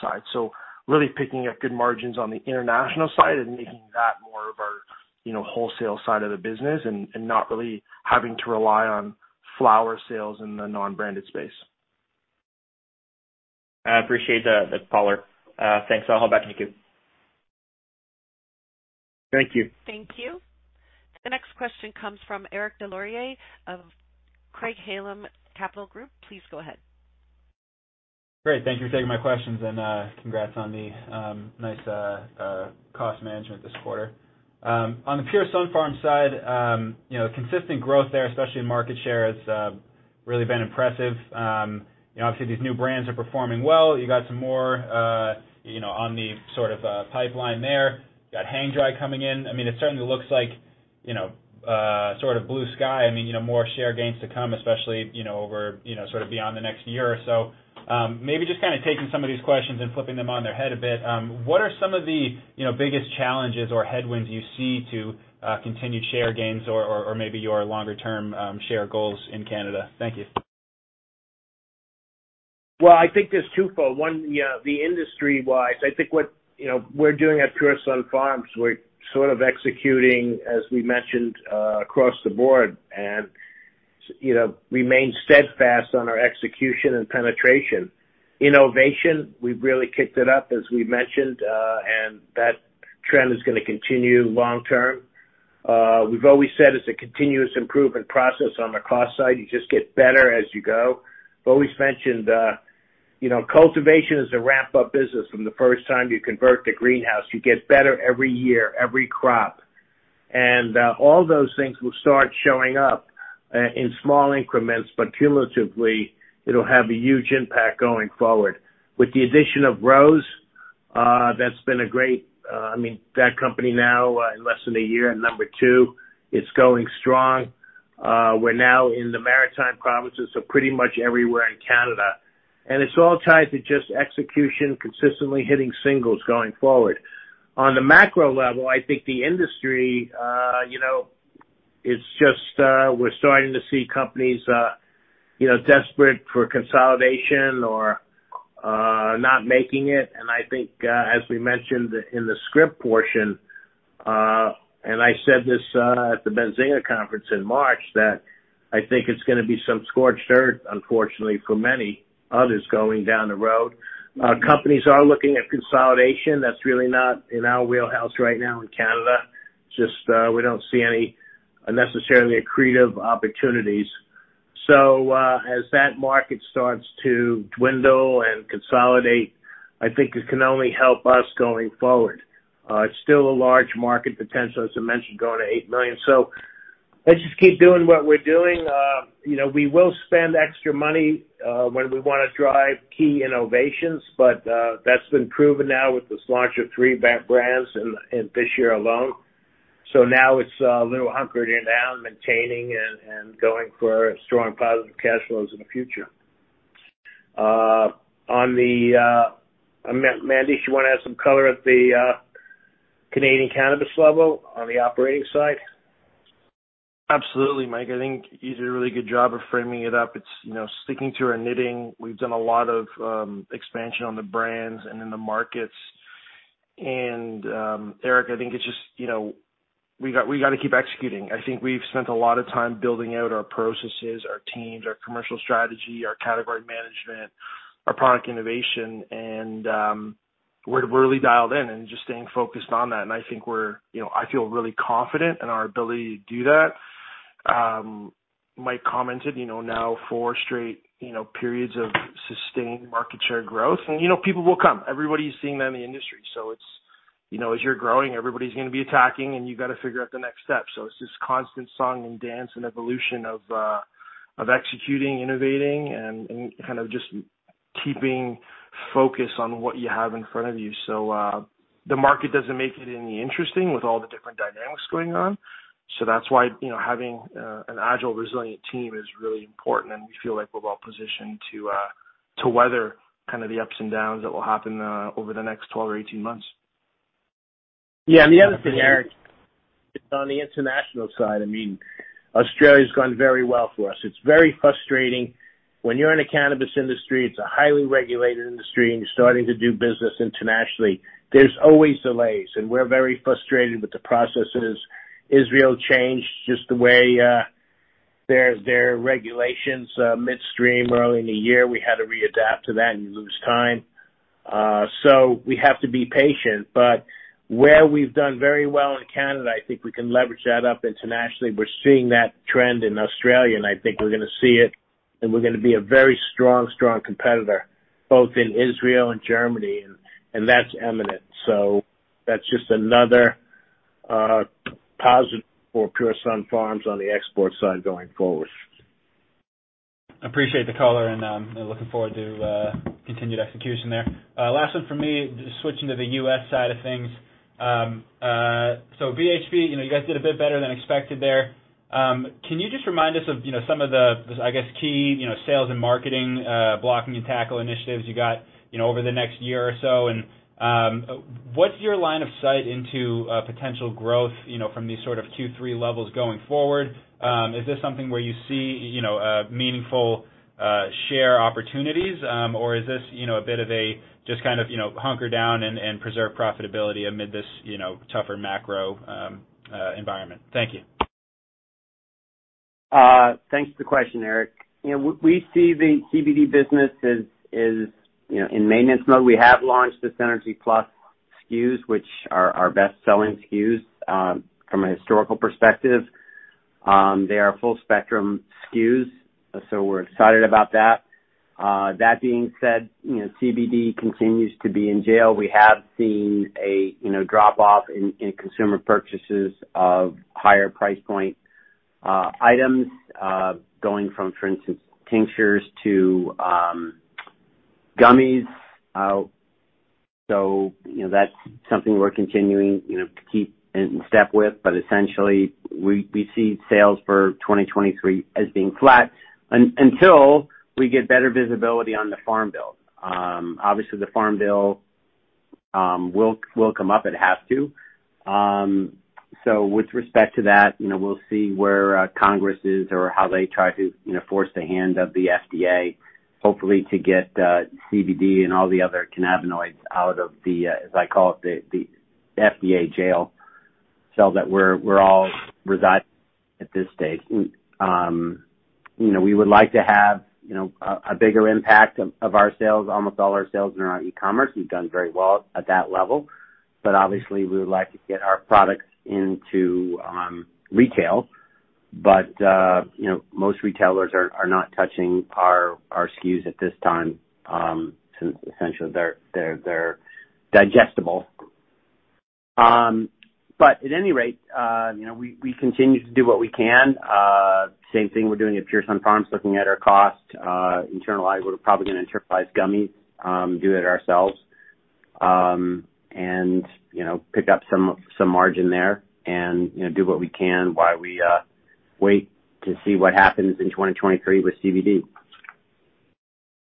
side. Really picking up good margins on the international side and making that more of our, you know, wholesale side of the business and not really having to rely on flower sales in the non-branded space. I appreciate that color. Thanks. I'll hop back in the queue. Thank you. Thank you. The next question comes from Eric Des Lauriers of Craig-Hallum Capital Group. Please go ahead. Great. Thank you for taking my questions and congrats on the nice cost management this quarter. On the Pure Sunfarms side, you know, consistent growth there, especially in market share, has really been impressive. You know, obviously these new brands are performing well. You got some more, you know, on the sort of pipeline there. Got Hang Dry coming in. I mean, it certainly looks like, you know, sort of blue sky. I mean, you know, more share gains to come, especially, you know, over, you know, sort of beyond the next year or so. Maybe just kind of taking some of these questions and flipping them on their head a bit, what are some of the, you know, biggest challenges or headwinds you see to continued share gains or maybe your longer term share goals in Canada? Thank you. Well, I think there's twofold. One, yeah, the industry-wise, I think what, you know, we're doing at Pure Sunfarms, we're sort of executing, as we mentioned, across the board and, you know, remain steadfast on our execution and penetration. Innovation, we've really kicked it up, as we mentioned, and that trend is gonna continue long term. We've always said it's a continuous improvement process on the cost side. You just get better as you go. We've always mentioned, you know, cultivation is a ramp up business. From the first time you convert to greenhouse, you get better every year, every crop. All those things will start showing up in small increments, but cumulatively it'll have a huge impact going forward. With the addition of Rose, that's been great. I mean, that company now, in less than a year at number two, it's going strong. We're now in the maritime provinces, so pretty much everywhere in Canada. It's all tied to just execution, consistently hitting singles going forward. On the macro level, I think the industry, you know, it's just, we're starting to see companies, you know, desperate for consolidation or, not making it. I think, as we mentioned in the script portion, and I said this, at the Benzinga conference in March, that I think it's gonna be some scorched earth, unfortunately, for many others going down the road. Companies are looking at consolidation. That's really not in our wheelhouse right now in Canada. Just, we don't see any necessarily accretive opportunities. As that market starts to dwindle and consolidate, I think it can only help us going forward. It's still a large market potential, as I mentioned, growing to eight million. Let's just keep doing what we're doing. You know, we will spend extra money when we wanna drive key innovations, but that's been proven now with this launch of three brands in this year alone. Now it's a little hunkered down, maintaining and going for strong positive cash flows in the future. On the Mandesh, do you wanna add some color at the Canadian cannabis level on the operating side? Absolutely, Mike. I think you did a really good job of framing it up. It's you know, sticking to our knitting. We've done a lot of expansion on the brands and in the markets. Eric, I think it's just you know, we got we gotta keep executing. I think we've spent a lot of time building out our processes, our teams, our commercial strategy, our category management, our product innovation, and we're really dialed in and just staying focused on that. I think we're you know, I feel really confident in our ability to do that. Mike commented you know, now four straight you know, periods of sustained market share growth. You know, people will come. Everybody's seeing that in the industry. It's you know, as you're growing, everybody's gonna be attacking, and you've got to figure out the next step. It's this constant song and dance and evolution of executing, innovating, and kind of just keeping focus on what you have in front of you. The market doesn't make it any interesting with all the different dynamics going on. That's why, you know, having an agile, resilient team is really important, and we feel like we're well positioned to weather kind of the ups and downs that will happen over the next 12 or 18 months. Yeah. The other thing, Eric, on the international side, I mean, Australia's gone very well for us. It's very frustrating. When you're in a cannabis industry, it's a highly regulated industry, and you're starting to do business internationally, there's always delays, and we're very frustrated with the processes. Israel changed just the way, their regulations, midstream early in the year. We had to readapt to that, and you lose time. We have to be patient. Where we've done very well in Canada, I think we can leverage that up internationally. We're seeing that trend in Australia, and I think we're gonna see it- We're gonna be a very strong competitor both in Israel and Germany, and that's imminent. That's just another positive for Pure Sunfarms on the export side going forward. Appreciate the color and looking forward to continued execution there. Last one for me, just switching to the U.S. side of things. So BHB, you know, you guys did a bit better than expected there. Can you just remind us of, you know, some of the, I guess, key, you know, sales and marketing blocking and tackling initiatives you got, you know, over the next year or so? What's your line of sight into potential growth, you know, from these sort of Q3 levels going forward? Is this something where you see, you know, meaningful share opportunities, or is this, you know, a bit of a just kind of, you know, hunker down and preserve profitability amid this, you know, tougher macro environment? Thank you. Thanks for the question, Eric. You know, we see the CBD business as, you know, in maintenance mode. We have launched the Synergy+ SKUs, which are our best-selling SKUs from a historical perspective. They are full spectrum SKUs, so we're excited about that. That being said, you know, CBD continues to be in jail. We have seen a drop off in consumer purchases of higher price point items, going from, for instance, tinctures to gummies. That's something we're continuing to keep in step with. Essentially we see sales for 2023 as being flat until we get better visibility on the Farm Bill. Obviously the Farm Bill will come up. It has to. With respect to that, you know, we'll see where Congress is or how they try to, you know, force the hand of the FDA, hopefully to get CBD and all the other cannabinoids out of the, as I call it, the FDA jail cell that we're all residing at this stage. You know, we would like to have, you know, a bigger impact of our sales, almost all our sales in our e-commerce. We've done very well at that level. Obviously we would like to get our products into retail. You know, most retailers are not touching our SKUs at this time, since essentially they're edible. At any rate, you know, we continue to do what we can. Same thing we're doing at Pure Sunfarms, looking at our cost, internalize. We're probably gonna enter the gummies, do it ourselves, and, you know, pick up some margin there and, you know, do what we can while we wait to see what happens in 2023 with CBD.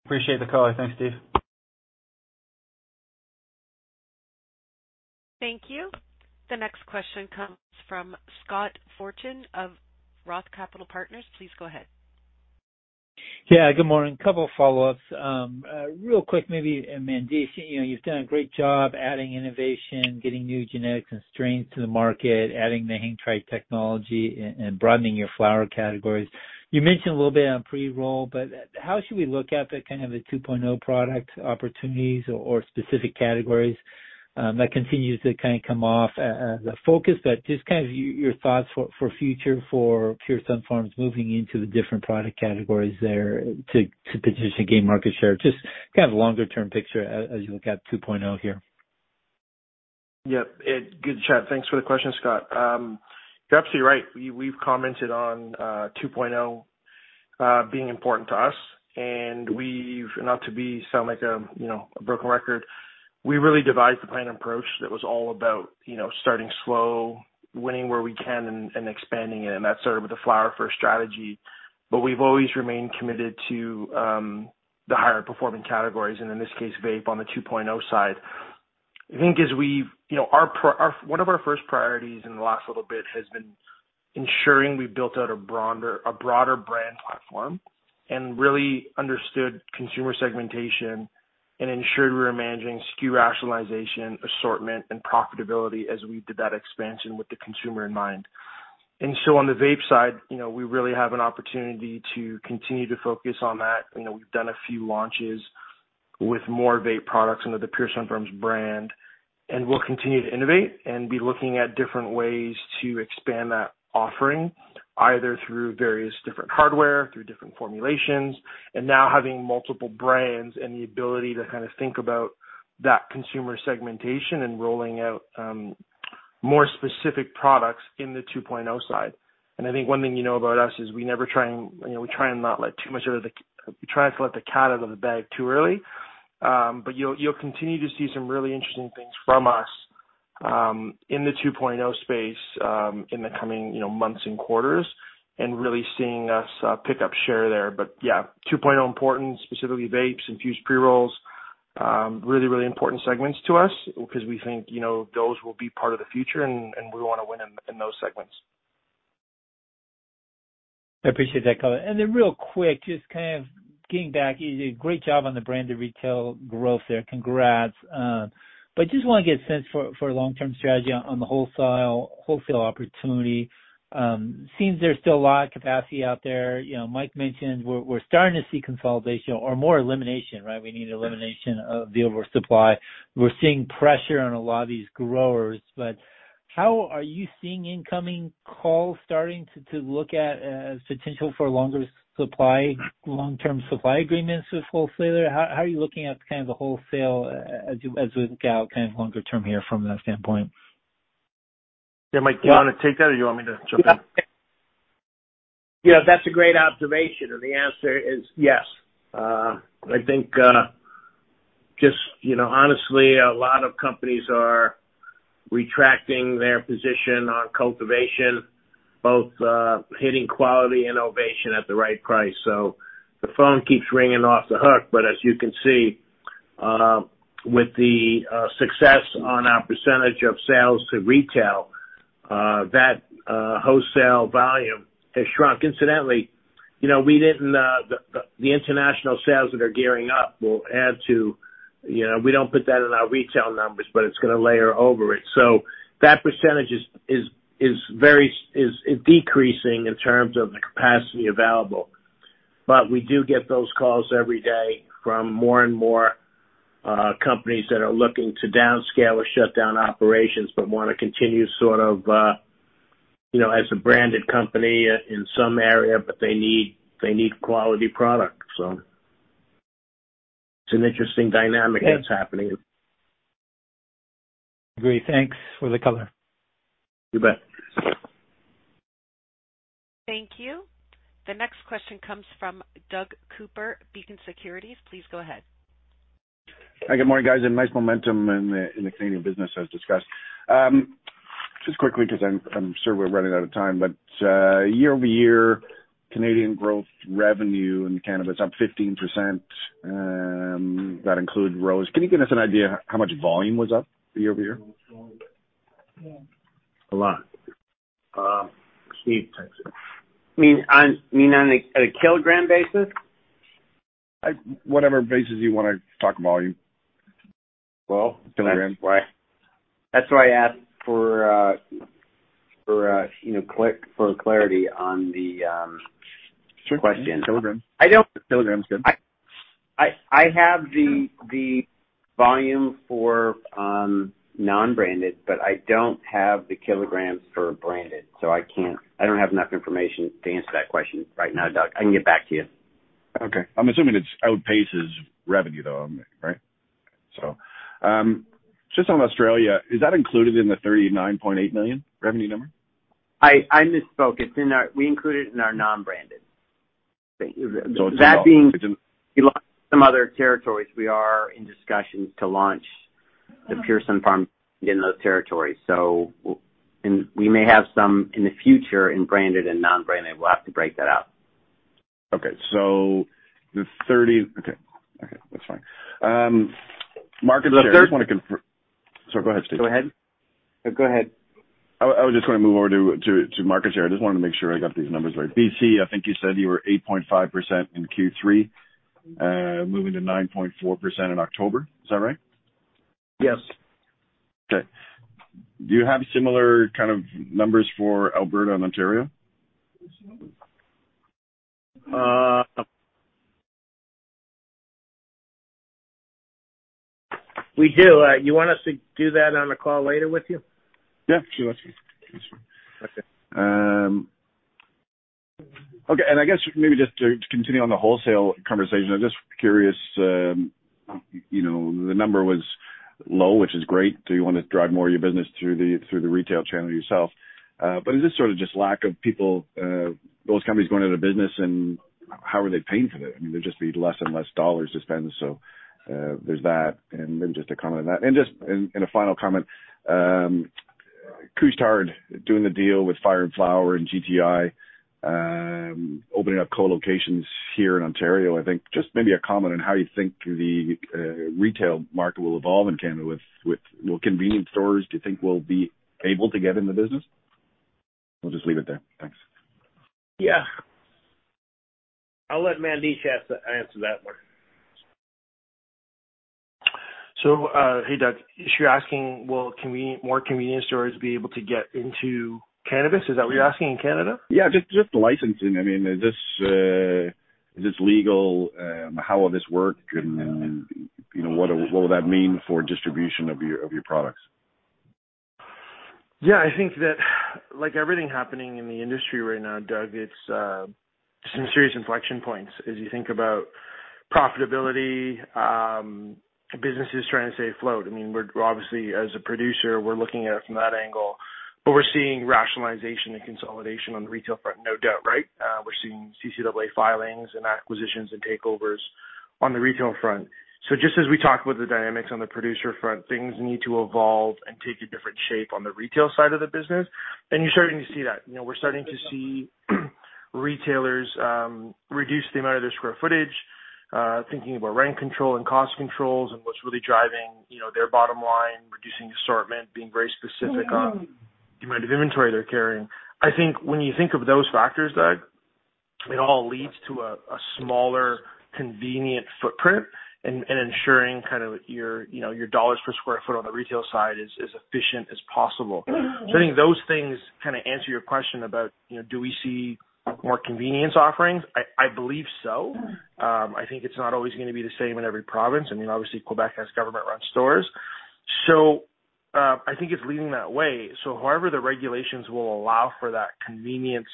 Appreciate the color. Thanks, Steve. Thank you. The next question comes from Scott Fortune of Roth Capital Partners. Please go ahead. Yeah. Good morning. Couple follow-ups. Real quick, maybe Mandi, you know, you've done a great job adding innovation, getting new genetics and strains to the market, adding the hang-dry technology and broadening your flower categories. You mentioned a little bit on pre-roll, but how should we look at the kind of the 2.0 product opportunities or specific categories that continues to kind of come off the focus, but just kind of your thoughts for future for Pure Sunfarms moving into the different product categories there to position, gain market share. Just kind of longer term picture as you look at 2.0 here. Yep. Good chat. Thanks for the question, Scott. You're absolutely right. We've commented on 2.0 being important to us, and we've not to sound like a, you know, a broken record, we really devised a planned approach that was all about, you know, starting slow, winning where we can and expanding it. That started with the flower first strategy. We've always remained committed to the higher performing categories and in this case, vape on the 2.0 side. I think, you know, one of our first priorities in the last little bit has been ensuring we built out a broader brand platform and really understood consumer segmentation and ensured we were managing SKU rationalization, assortment and profitability as we did that expansion with the consumer in mind. On the vape side, you know, we really have an opportunity to continue to focus on that. You know, we've done a few launches with more vape products under the Pure Sunfarms brand, and we'll continue to innovate and be looking at different ways to expand that offering, either through various different hardware, through different formulations, and now having multiple brands and the ability to kind of think about that consumer segmentation and rolling out, more specific products in the 2.0 side. I think one thing you know about us is we never try and let the cat out of the bag too early. You'll continue to see some really interesting things from us in the 2.0 space in the coming, you know, months and quarters and really seeing us pick up share there. Yeah, 2.0 important, specifically vapes, infused pre-rolls, really, really important segments to us because we think, you know, those will be part of the future and we wanna win in those segments. I appreciate that color. Real quick, just kind of getting back. You did a great job on the brand new retail growth there. Congrats. Just wanna get a sense for long-term strategy on the wholesale opportunity. Seems there's still a lot of capacity out there. You know, Mike mentioned we're starting to see consolidation or more elimination, right? We need elimination of the oversupply. We're seeing pressure on a lot of these growers, but How are you seeing incoming calls starting to look at potential for longer supply, long-term supply agreements with wholesaler? How are you looking at kind of the wholesale as you as with gal kind of longer term here from that standpoint? Yeah. Mike, do you want to take that or do you want me to jump in? Yeah, that's a great observation. The answer is yes. I think, just, you know, honestly, a lot of companies are retracting their position on cultivation, both in quality and innovation at the right price. The phone keeps ringing off the hook. As you can see, with the success on our percentage of sales to retail, that wholesale volume has shrunk. Incidentally, you know, the international sales that are gearing up will add to, you know, we don't put that in our retail numbers, but it's gonna layer over it. That percentage is decreasing in terms of the capacity available. We do get those calls every day from more and more companies that are looking to downscale or shut down operations but wanna continue sort of, you know, as a branded company in some area, but they need quality product. It's an interesting dynamic that's happening. Agree. Thanks for the color. You bet. Thank you. The next question comes from Douglas Cooper, Beacon Securities. Please go ahead. Hi. Good morning, guys, and nice momentum in the Canadian business as discussed. Just quickly because I'm sure we're running out of time, but year-over-year Canadian growth revenue in cannabis up 15%, that includes Rose. Can you give us an idea how much volume was up year-over-year? A lot. Steve takes it. You mean at a kilogram basis? Whatever basis you wanna talk volume. Well, that's why I asked for you know, clarity on the question. Sure. Yeah. kilogram. I don't- Kilograms, good. I have the volume for non-branded, but I don't have the kilograms for branded, so I don't have enough information to answer that question right now, Doug. I can get back to you. Okay. I'm assuming it outpaces revenue, though, right? Just on Australia, is that included in the $39.8 million revenue number? I misspoke. We include it in our non-branded. It's about. That being some other territories, we are in discussions to launch the Pure Sunfarms in those territories. We may have some in the future in branded and non-branded. We'll have to break that out. Okay, that's fine. Market share. The third- Just wanna confirm. Sorry. Go ahead, Steve. Go ahead. No, go ahead. I was just gonna move over to market share. I just wanted to make sure I got these numbers right. B.C., I think you said you were 8.5% in Q3, moving to 9.4% in October. Is that right? Yes. Okay. Do you have similar kind of numbers for Alberta and Ontario? We do. You want us to do that on a call later with you? Yeah. Sure. Sure. Okay. I guess maybe just to continue on the wholesale conversation. I'm just curious, you know, the number was low, which is great. Do you wanna drive more of your business through the retail channel yourself? But is this sort of just lack of people, those companies going out of business and how are they paying for that? I mean, there'd just be less and less dollars to spend. So, there's that. Then just to comment on that. Just in a final comment, Couche-Tard doing the deal with Fire & Flower and GTI, opening up co-locations here in Ontario. I think just maybe a comment on how you think the retail market will evolve in Canada with. Will convenience stores do you think will be able to get in the business? I'll just leave it there. Thanks. Yeah. I'll let Mandesh answer that one. Hey, Doug, you're asking will more convenience stores be able to get into cannabis? Is that what you're asking in Canada? Yeah, just licensing. I mean, is this legal? How will this work? You know, what will that mean for distribution of your products? Yeah, I think that like everything happening in the industry right now, Doug, it's some serious inflection points as you think about profitability, businesses trying to stay afloat. I mean, we're obviously, as a producer, we're looking at it from that angle, but we're seeing rationalization and consolidation on the retail front, no doubt, right? We're seeing CCAA filings and acquisitions and takeovers on the retail front. Just as we talk about the dynamics on the producer front, things need to evolve and take a different shape on the retail side of the business. You're starting to see that. You know, we're starting to see retailers reduce the amount of their square footage, thinking about rent control and cost controls and what's really driving, you know, their bottom line, reducing assortment, being very specific on the amount of inventory they're carrying. I think when you think of those factors, Doug, it all leads to a smaller, convenient footprint and ensuring kind of your, you know, dollars per square foot on the retail side is efficient as possible. I think those things kind of answer your question about, you know, do we see more convenience offerings. I believe so. I think it's not always gonna be the same in every province. I mean, obviously, Quebec has government-run stores. I think it's leading that way. However the regulations will allow for that convenience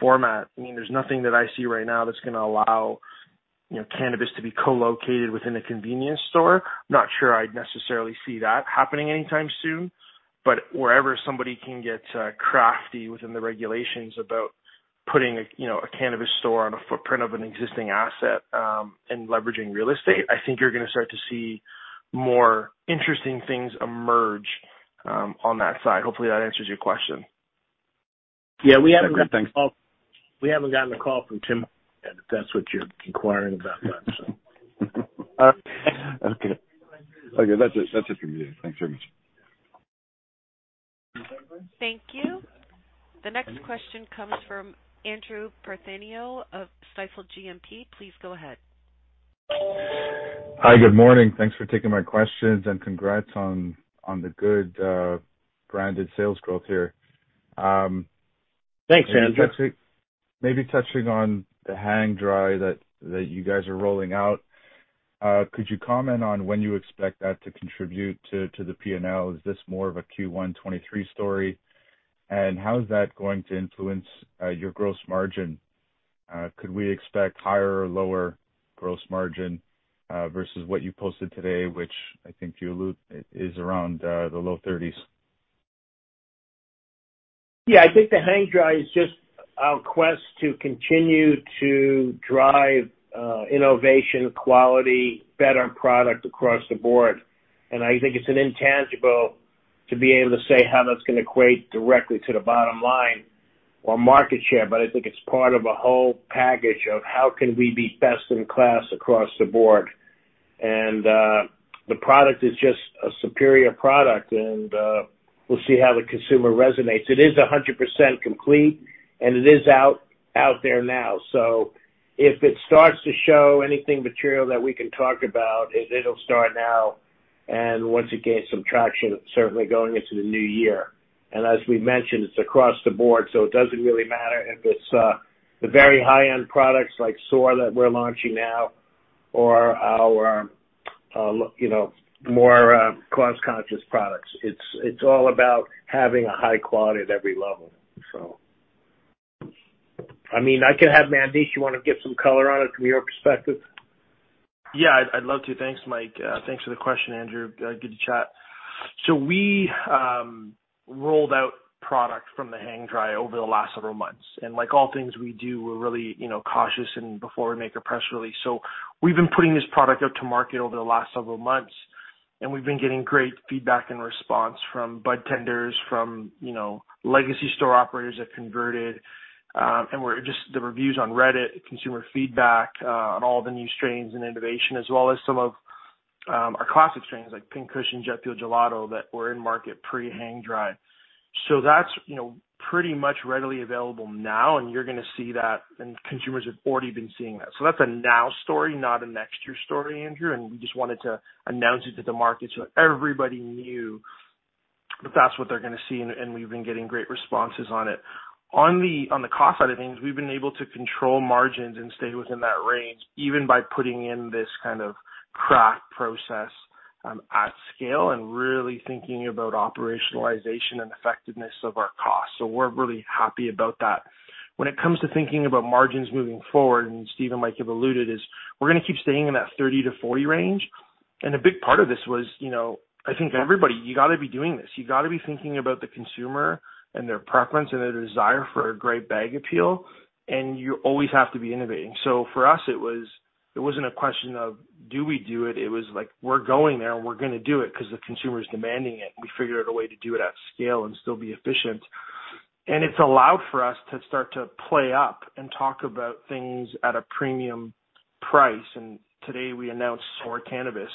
format, I mean, there's nothing that I see right now that's gonna allow, you know, cannabis to be co-located within a convenience store. Not sure I'd necessarily see that happening anytime soon. Wherever somebody can get crafty within the regulations about putting a, you know, a cannabis store on a footprint of an existing asset, and leveraging real estate, I think you're gonna start to see more interesting things emerge, on that side. Hopefully, that answers your question. Yeah. Okay. Thanks. We haven't gotten a call from Tim yet, if that's what you're inquiring about, Mike, so. Okay, that's it for me. Thanks very much. Thank you. The next question comes from Andrew Partheniou of Stifel GMP. Please go ahead. Hi, good morning. Thanks for taking my questions. Congrats on the good branded sales growth here. Thanks, Andrew. Maybe touching on the hang-dry that you guys are rolling out. Could you comment on when you expect that to contribute to the P&L? Is this more of a Q1 2023 story? How is that going to influence your gross margin? Could we expect higher or lower gross margin versus what you posted today, which I think you allude is around the low 30s%? Yeah. I think the hang-dry is just our quest to continue to drive innovation, quality, better product across the board. I think it's an intangible to be able to say how that's gonna equate directly to the bottom line or market share. I think it's part of a whole package of how can we be best in class across the board. The product is just a superior product, and we'll see how the consumer resonates. It is 100% complete, and it is out there now. If it starts to show anything material that we can talk about, it'll start now, and once again, some traction, certainly going into the new year. As we've mentioned, it's across the board, so it doesn't really matter if it's the very high-end products like Soar that we're launching now or our you know, more cost-conscious products. It's all about having a high quality at every level, so. I mean, I can have Mandesh Dosanjh. You wanna give some color on it from your perspective? Yeah, I'd love to. Thanks, Mike. Thanks for the question, Andrew. Good to chat. We rolled out product from the hang-dry over the last several months. Like all things we do, we're really you know cautious and before we make a press release. We've been putting this product out to market over the last several months, and we've been getting great feedback and response from budtenders, from you know legacy store operators that converted, and the reviews on Reddit, consumer feedback on all the new strains and innovation, as well as some of our classic strains like Pink Kush and Jet Fuel Gelato that were in market pre-hang-dry. That's you know pretty much readily available now, and you're gonna see that, and consumers have already been seeing that. That's a now story, not a next year story, Andrew, and we just wanted to announce it to the market so that everybody knew that that's what they're gonna see, and we've been getting great responses on it. On the cost side of things, we've been able to control margins and stay within that range, even by putting in this kind of craft process at scale and really thinking about operationalization and effectiveness of our costs. We're really happy about that. When it comes to thinking about margins moving forward, and Steve and Mike have alluded, is we're gonna keep staying in that 30% to 40% range. A big part of this was, you know, I think everybody, you gotta be doing this. You gotta be thinking about the consumer and their preference and their desire for a great bag appeal, and you always have to be innovating. For us, it was, it wasn't a question of, do we do it? It was like, we're going there, and we're gonna do it because the consumer is demanding it, and we figured out a way to do it at scale and still be efficient. It's allowed for us to start to play up and talk about things at a premium price. Today, we announced Soar Cannabis,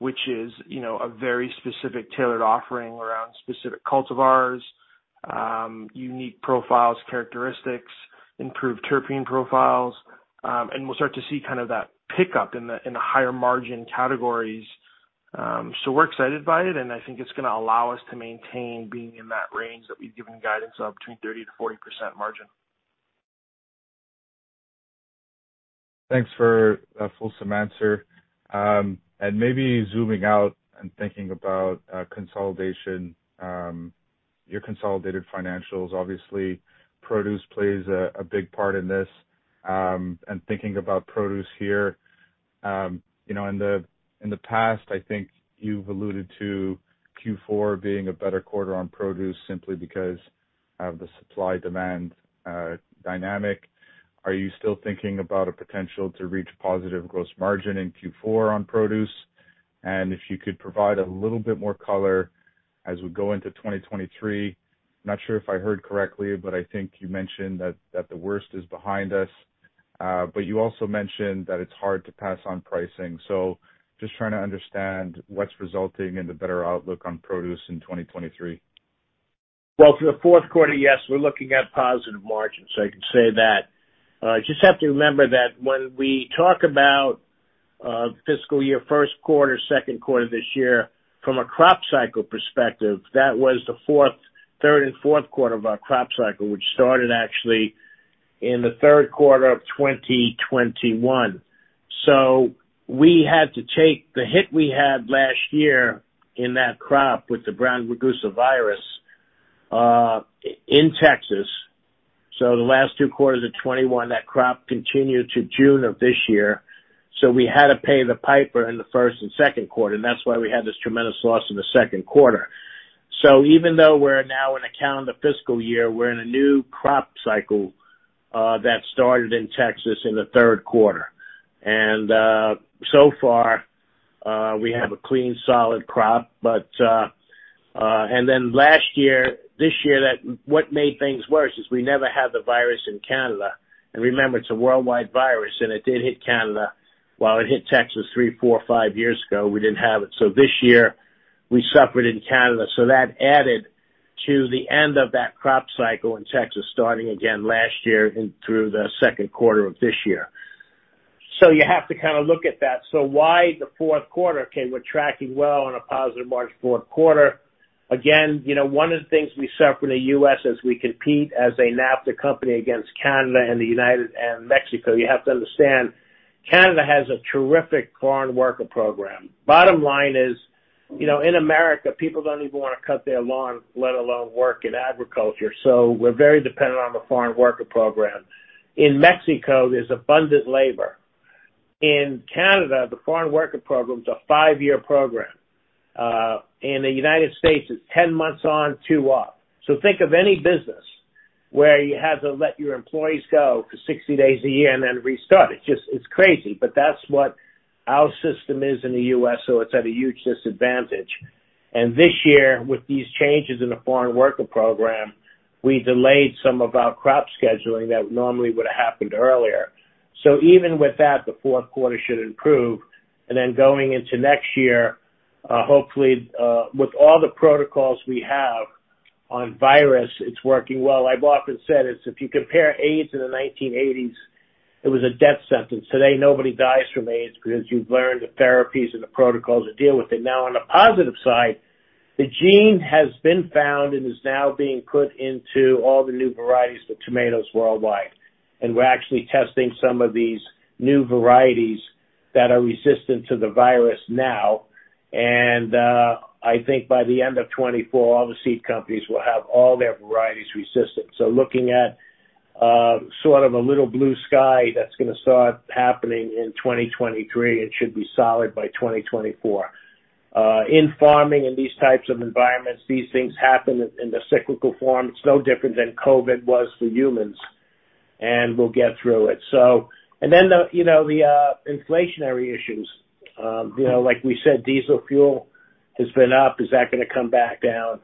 which is, you know, a very specific tailored offering around specific cultivars, unique profiles, characteristics, improved terpene profiles. And we'll start to see kind of that pickup in the higher margin categories. We're excited by it, and I think it's gonna allow us to maintain being in that range that we've given guidance of between 30% to 40% margin. Thanks for a fulsome answer. Maybe zooming out and thinking about consolidation, your consolidated financials. Obviously, produce plays a big part in this. Thinking about produce here, you know, in the past, I think you've alluded to Q4 being a better quarter on produce simply because of the supply-demand dynamic. Are you still thinking about a potential to reach positive gross margin in Q4 on produce? If you could provide a little bit more color as we go into 2023. Not sure if I heard correctly, but I think you mentioned that the worst is behind us. You also mentioned that it's hard to pass on pricing. Just trying to understand what's resulting in the better outlook on produce in 2023. Well, for the fourth quarter, yes, we're looking at positive margins. I can say that. Just have to remember that when we talk about fiscal year first quarter, second quarter this year, from a crop cycle perspective, that was the fourth, third and fourth quarter of our crop cycle, which started actually in the third quarter of 2021. We had to take the hit we had last year in that crop with the brown rugose virus in Texas. The last two quarters of 2021, that crop continued to June of this year. We had to pay the piper in the first and second quarter, and that's why we had this tremendous loss in the second quarter. Even though we're now in a calendar fiscal year, we're in a new crop cycle that started in Texas in the third quarter. So far, we have a clean, solid crop. What made things worse is we never had the virus in Canada. Remember, it's a worldwide virus, and it did hit Canada. While it hit Texas three, four, five years ago, we didn't have it. This year we suffered in Canada. That added to the end of that crop cycle in Texas, starting again last year and through the second quarter of this year. You have to kind of look at that. Why the fourth quarter? Okay, we're tracking well on a positive margin fourth quarter. Again, you know, one of the things we suffer in the U.S. is we compete as a NAFTA company against Canada and Mexico. You have to understand, Canada has a terrific foreign worker program. Bottom line is, you know, in America, people don't even want to cut their lawn, let alone work in agriculture. We're very dependent on the foreign worker program. In Mexico, there's abundant labor. In Canada, the foreign worker program is a five-year program. In the United States, it's 10 months on, two off. Think of any business where you have to let your employees go for 60 days a year and then restart. It's just, it's crazy. That's what our system is in the U.S., so it's at a huge disadvantage. This year, with these changes in the foreign worker program, we delayed some of our crop scheduling that normally would have happened earlier. Even with that, the fourth quarter should improve. Then going into next year, hopefully, with all the protocols we have on virus, it's working well. I've often said it's if you compare AIDS in the 1980s, it was a death sentence. Today, nobody dies from AIDS because you've learned the therapies and the protocols that deal with it. Now, on the positive side, the gene has been found and is now being put into all the new varieties of tomatoes worldwide. We're actually testing some of these new varieties that are resistant to the virus now. I think by the end of 2024, all the seed companies will have all their varieties resistant. Looking at sort of a little blue sky that's going to start happening in 2023, it should be solid by 2024. In farming and these types of environments, these things happen in the cyclical form. It's no different than COVID was for humans, and we'll get through it. You know, the inflationary issues. You know, like we said, diesel fuel has been up. Is that gonna come back down?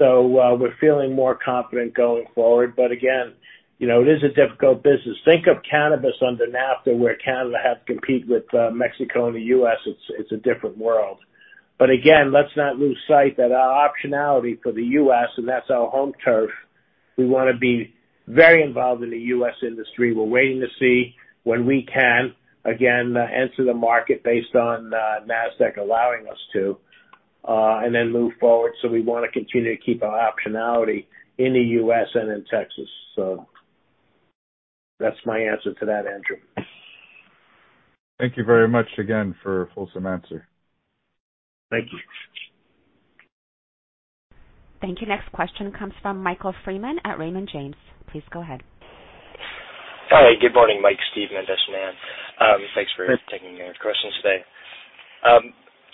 We're feeling more confident going forward, but again, you know, it is a difficult business. Think of cannabis under NAFTA, where Canada has to compete with Mexico and the U.S. It's a different world. Again, let's not lose sight that our optionality for the U.S., and that's our home turf, we wanna be very involved in the U.S. industry. We're waiting to see when we can again enter the market based on Nasdaq allowing us to and then move forward. We want to continue to keep our optionality in the U.S. and in Texas. That's my answer to that, Andrew. Thank you very much again for a fulsome answer. Thank you. Thank you. Next question comes from Michael W. Freeman at Raymond James. Please go ahead. Hi, good morning, Mike, Steve, Mendis, Nan. Thanks for taking our questions today.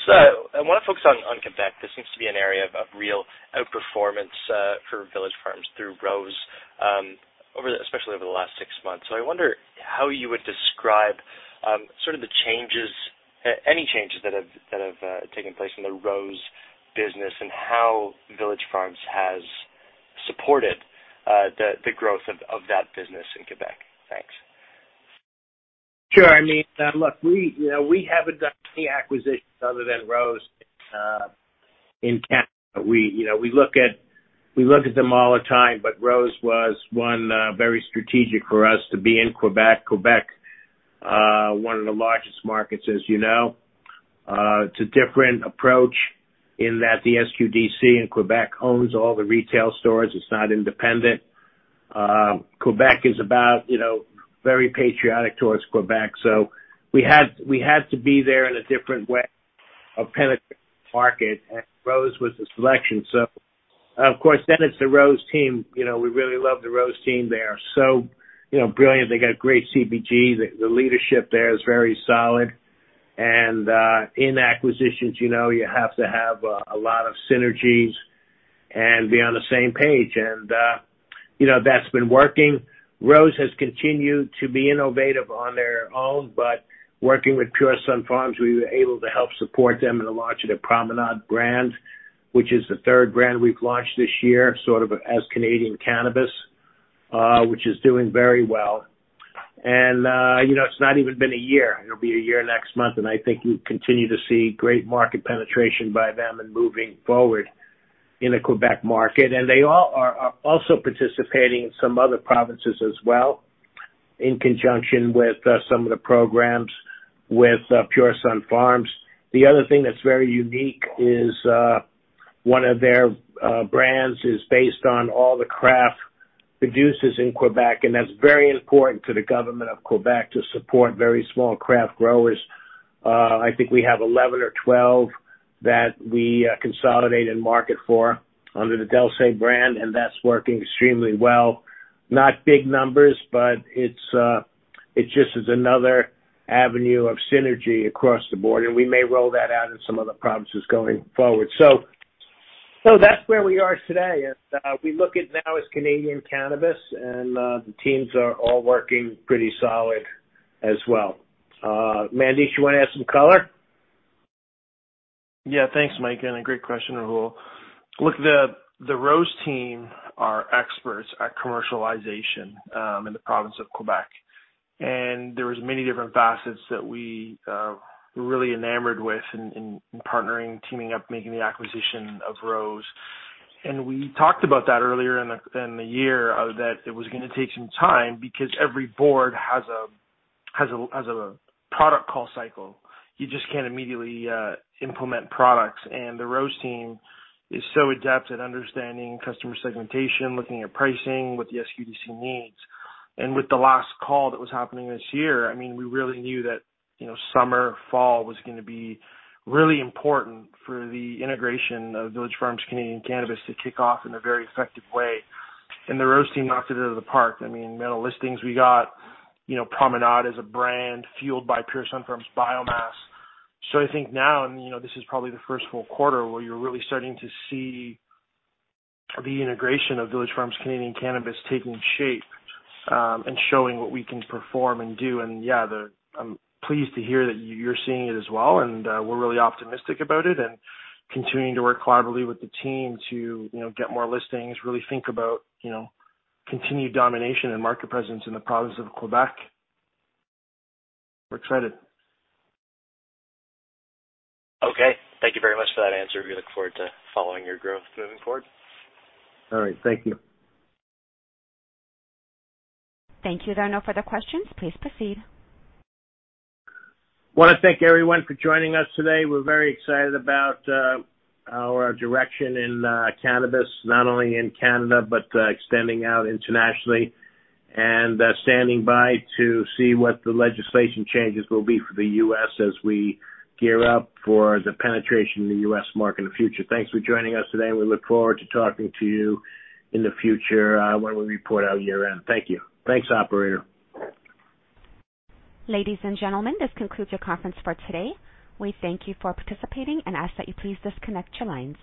I want to focus on Quebec. This seems to be an area of real outperformance for Village Farms through Rose, especially over the last six months. I wonder how you would describe sort of the changes, any changes that have taken place in the Rose business and how Village Farms has supported the growth of that business in Quebec. Thanks. Sure. I mean, look, we, you know, we haven't done any acquisitions other than Rose in Canada. We, you know, look at them all the time, but Rose was one very strategic for us to be in Quebec. Quebec, one of the largest markets, as you know. It's a different approach in that the SQDC in Quebec owns all the retail stores. It's not independent. Quebec is about, you know, very patriotic towards Quebec. We had to be there in a different way of penetrating the market, and Rose was the selection. Of course, then it's the Rose team. You know, we really love the Rose team. They are so, you know, brilliant. They got great CPG. The leadership there is very solid. In acquisitions, you know, you have to have a lot of synergies and be on the same page. You know, that's been working. Rose has continued to be innovative on their own, but working with Pure Sunfarms, we were able to help support them in the launch of the Promenade brand, which is the third brand we've launched this year, sort of as Canadian cannabis, which is doing very well. You know, it's not even been a year. It'll be a year next month, and I think you continue to see great market penetration by them and moving forward in the Quebec market, and they all are also participating in some other provinces as well in conjunction with some of the programs with Pure Sunfarms. The other thing that's very unique is, one of their brands is based on all the craft producers in Quebec, and that's very important to the government of Quebec to support very small craft growers. I think we have 11 or 12 that we consolidate and market for under the DLYS brand, and that's working extremely well. Not big numbers, but it just is another avenue of synergy across the board, and we may roll that out in some other provinces going forward. That's where we are today. As we look at now as Canadian Cannabis and the teams are all working pretty solid as well. Mandesh, do you wanna add some color? Yeah. Thanks, Mike, and a great question, Rahul. Look, the Rose team are experts at commercialization in the province of Quebec. There was many different facets that we were really enamored with in partnering, teaming up, making the acquisition of Rose. We talked about that earlier in the year that it was gonna take some time because every board has a product call cycle. You just can't immediately implement products. The Rose team is so adept at understanding customer segmentation, looking at pricing, what the SQDC needs. With the last call that was happening this year, I mean, we really knew that, you know, summer, fall was gonna be really important for the integration of Village Farms Canadian Cannabis to kick off in a very effective way. The Rose team knocked it out of the park. I mean, amount of listings we got, you know, Promenade as a brand fueled by Pure Sunfarms biomass. I think now, and, you know, this is probably the first full quarter where you're really starting to see the integration of Village Farms Canadian Cannabis taking shape, and showing what we can perform and do. Yeah, I'm pleased to hear that you're seeing it as well. We're really optimistic about it and continuing to work collaboratively with the team to, you know, get more listings, really think about, you know, continued domination and market presence in the province of Quebec. We're excited. Okay. Thank you very much for that answer. We look forward to following your growth moving forward. All right. Thank you. Thank you. There are no further questions. Please proceed. Wanna thank everyone for joining us today. We're very excited about our direction in cannabis, not only in Canada, but extending out internationally and standing by to see what the legislation changes will be for the U.S. as we gear up for the penetration in the U.S. market in the future. Thanks for joining us today, and we look forward to talking to you in the future when we report our year-end. Thank you. Thanks, operator. Ladies and gentlemen, this concludes your conference for today. We thank you for participating and ask that you please disconnect your lines.